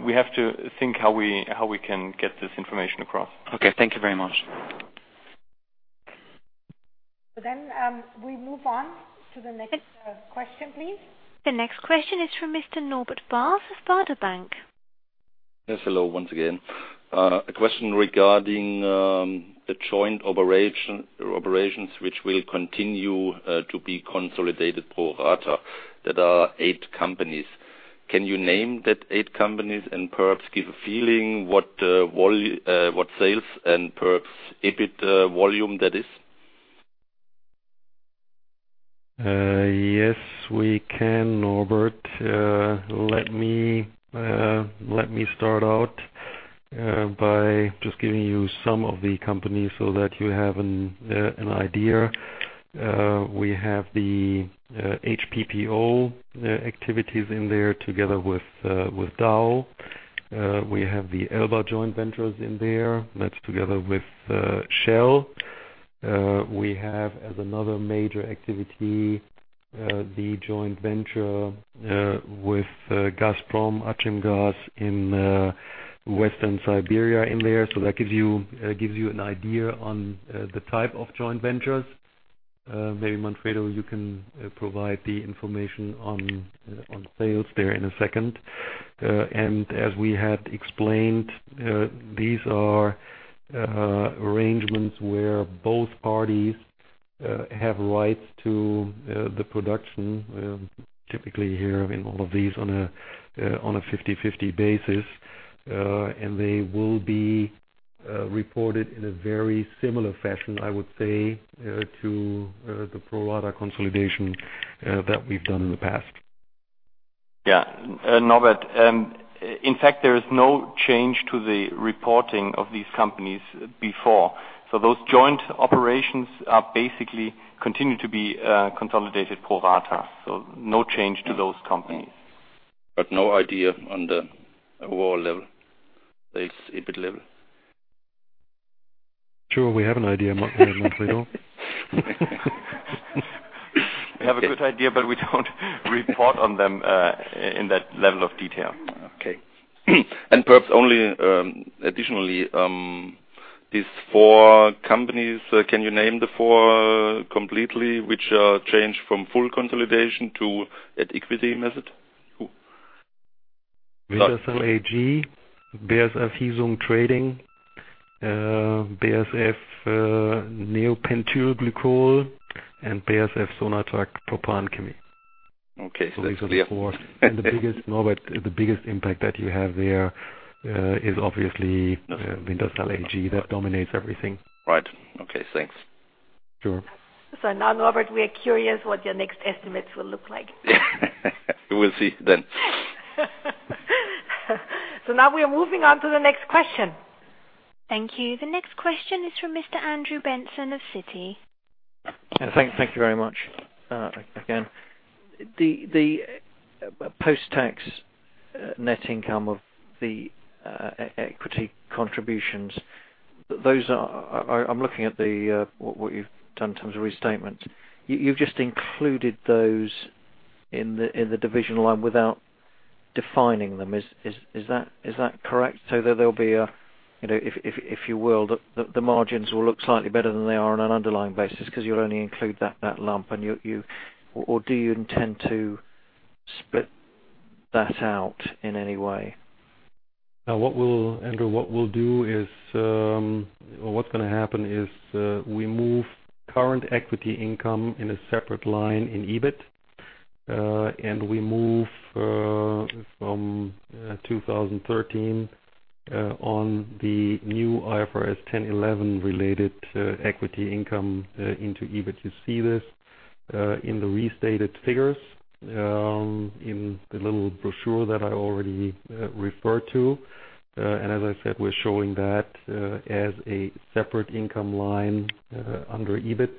S4: We have to think how we can get this information across.
S12: Okay. Thank you very much.
S2: We move on to the next question, please.
S1: The next question is from Mr. Norbert Barth of Baader Bank.
S10: Yes, hello once again. A question regarding the joint operations which will continue to be consolidated pro rata, that are eight companies. Can you name that eight companies and perhaps give a feeling what sales and perhaps EBIT volume that is?
S3: Yes, we can, Norbert. Let me start out by just giving you some of the companies so that you have an idea. We have the HPPO activities in there together with Dow. We have the Ellba joint ventures in there. That's together with Shell. We have as another major activity the joint venture with Gazprom Achimgaz in Western Siberia in there. That gives you an idea on the type of joint ventures. Maybe, Manfred, you can provide the information on sales there in a second. As we had explained, these are arrangements where both parties have rights to the production, typically here in all of these on a 50/50 basis, and they will be reported in a very similar fashion, I would say, to the pro rata consolidation that we've done in the past.
S4: Yeah. Norbert, in fact, there is no change to the reporting of these companies before. Those joint operations are basically continue to be consolidated pro rata, no change to those companies.
S10: No idea on the overall level, the EBIT level.
S3: Sure, we have an idea, Manfred.
S4: We have a good idea, but we don't report on them in that level of detail.
S10: Okay. Perhaps only, additionally, these four companies, can you name the four completely, which changed from full consolidation to at equity method? Who?
S3: Wintershall AG, Heesung Catalysts Corporation, BASF, Neopentyl Glycol, and BASF SONATRACH PropanChem S.A.
S10: Okay. That's clear.
S3: Those are the four. The biggest, Norbert, impact that you have there is obviously Wintershall AG. That dominates everything.
S10: Right. Okay. Thanks.
S3: Sure.
S2: Now, Norbert, we are curious what your next estimates will look like.
S10: We'll see then.
S2: Now we are moving on to the next question.
S1: Thank you. The next question is from Mr. Andrew Benson of Citi.
S7: Yeah. Thank you very much again. The post-tax net income of the equity contributions, those are. I'm looking at what you've done in terms of restatements. You've just included those in the division line without defining them. Is that correct? So there'll be. You know, if you will, the margins will look slightly better than they are on an underlying basis 'cause you'll only include that lump and you. Or do you intend to split that out in any way?
S3: Andrew, what's gonna happen is, we move current equity income in a separate line in EBIT. We move from 2013 on the new IFRS 10 and 11 related equity income into EBIT. You see this in the restated figures in the little brochure that I already referred to. As I said, we're showing that as a separate income line under EBIT.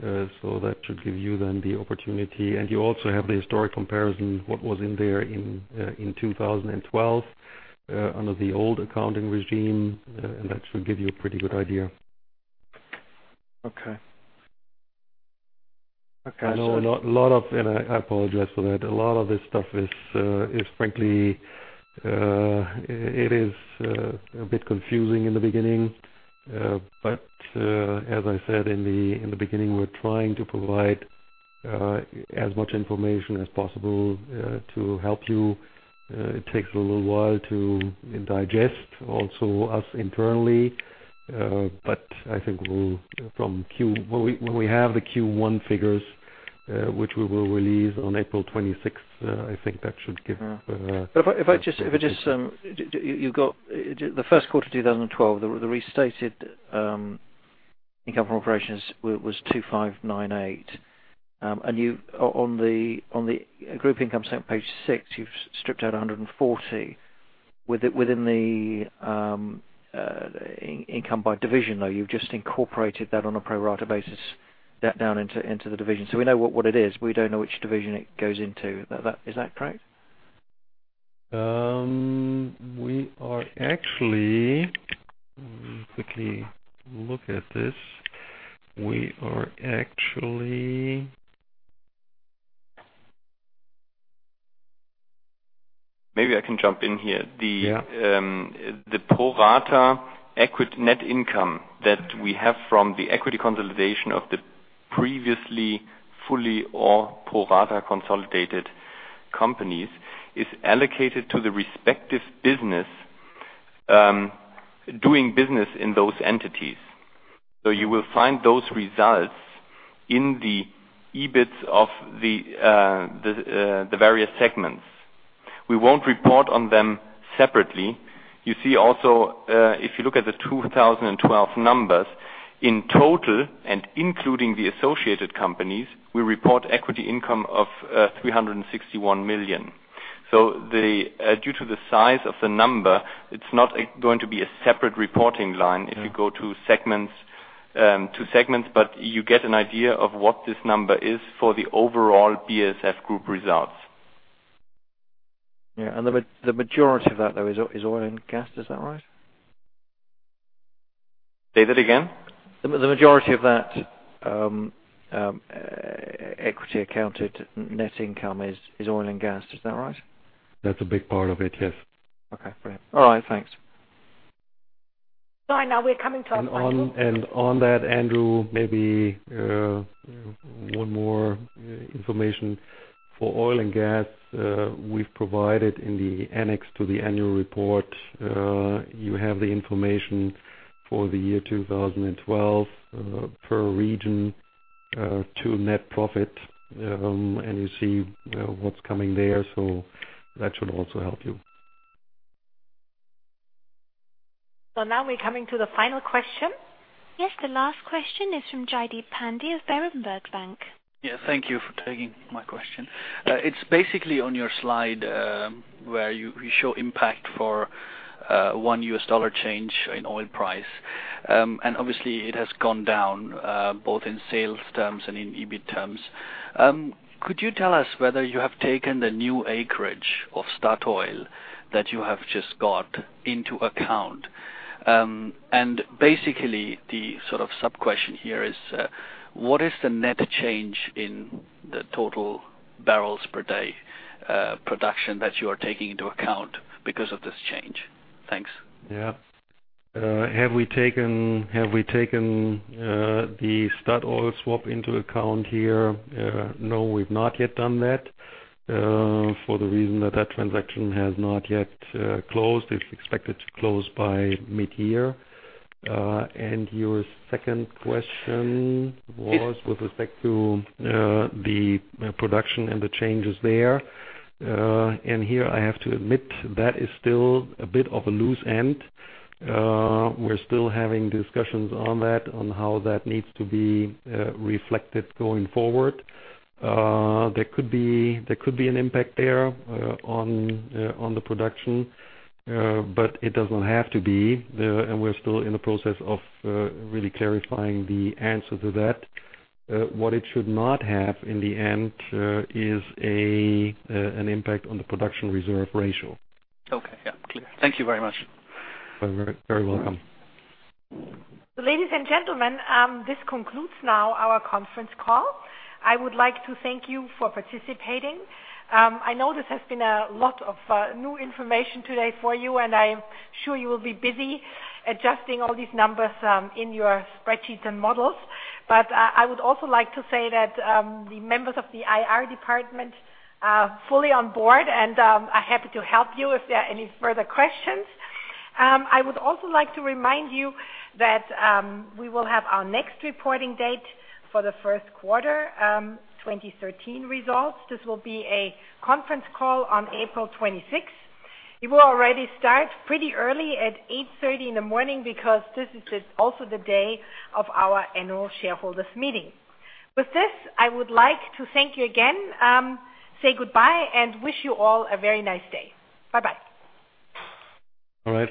S3: That should give you then the opportunity. You also have the historic comparison, what was in there in 2012 under the old accounting regime. That should give you a pretty good idea.
S7: Okay. Okay.
S3: I know a lot of and I apologize for that. A lot of this stuff is frankly a bit confusing in the beginning. As I said in the beginning, we're trying to provide as much information as possible to help you. It takes a little while to digest, also us internally. I think when we have the Q1 figures, which we will release on April 26th, I think that should give.
S7: If I just, the first quarter 2012, the restated income from operations was 2,598. On the group income statement, page six, you've stripped out 140. Within the income by division though, you've just incorporated that on a pro rata basis down into the division. We know what it is, but we don't know which division it goes into. Is that correct?
S3: Let me quickly look at this. We are actually.
S4: Maybe I can jump in here.
S3: Yeah.
S4: The pro rata equity net income that we have from the equity consolidation of the previously fully or pro rata consolidated companies is allocated to the respective business doing business in those entities. You will find those results in the EBIT of the various segments. We won't report on them separately. You see also, if you look at the 2012 numbers, in total, and including the associated companies, we report equity income of 361 million. Due to the size of the number, it's not going to be a separate reporting line.
S3: Yeah.
S4: If you go to segments, but you get an idea of what this number is for the overall BASF Group results.
S7: Yeah. The majority of that, though, is oil and gas. Is that right?
S4: Say that again?
S7: The majority of that equity accounted net income is oil and gas. Is that right?
S3: That's a big part of it, yes.
S7: Okay. Great. All right, thanks.
S2: Sorry. Now we're coming to our final
S3: On that, Andrew, maybe one more information for oil and gas, we've provided in the annex to the annual report. You have the information for the year 2012, per region, to net profit, and you see, you know, what's coming there. That should also help you.
S2: Now we're coming to the final question.
S1: Yes, the last question is from Jaideep Pandya of Berenberg Bank.
S9: Yeah, thank you for taking my question. It's basically on your slide, where you show impact for $1 change in oil price. Obviously it has gone down, both in sales terms and in EBIT terms. Could you tell us whether you have taken the new acreage of Statoil that you have just got into account? Basically the sort of sub-question here is, what is the net change in the total barrels per day production that you are taking into account because of this change? Thanks.
S3: Yeah. Have we taken the Statoil swap into account here? No, we've not yet done that for the reason that that transaction has not yet closed. It's expected to close by mid-year. Your second question was-
S9: Yes.
S3: With respect to the production and the changes there. Here I have to admit, that is still a bit of a loose end. We're still having discussions on that, on how that needs to be reflected going forward. There could be an impact there on the production, but it doesn't have to be. We're still in the process of really clarifying the answer to that. What it should not have in the end is an impact on the production reserve ratio.
S9: Okay. Yeah, clear. Thank you very much.
S3: You're very, very welcome.
S2: Ladies and gentlemen, this concludes now our conference call. I would like to thank you for participating. I know this has been a lot of new information today for you, and I'm sure you will be busy adjusting all these numbers in your spreadsheets and models. I would also like to say that the members of the IR department are fully on board and are happy to help you if there are any further questions. I would also like to remind you that we will have our next reporting date for the first quarter 2013 results. This will be a conference call on April 26th. It will already start pretty early at 8:30 A.M. because this is also the day of our annual shareholders meeting. With this, I would like to thank you again, say goodbye, and wish you all a very nice day. Bye-bye.
S3: All right.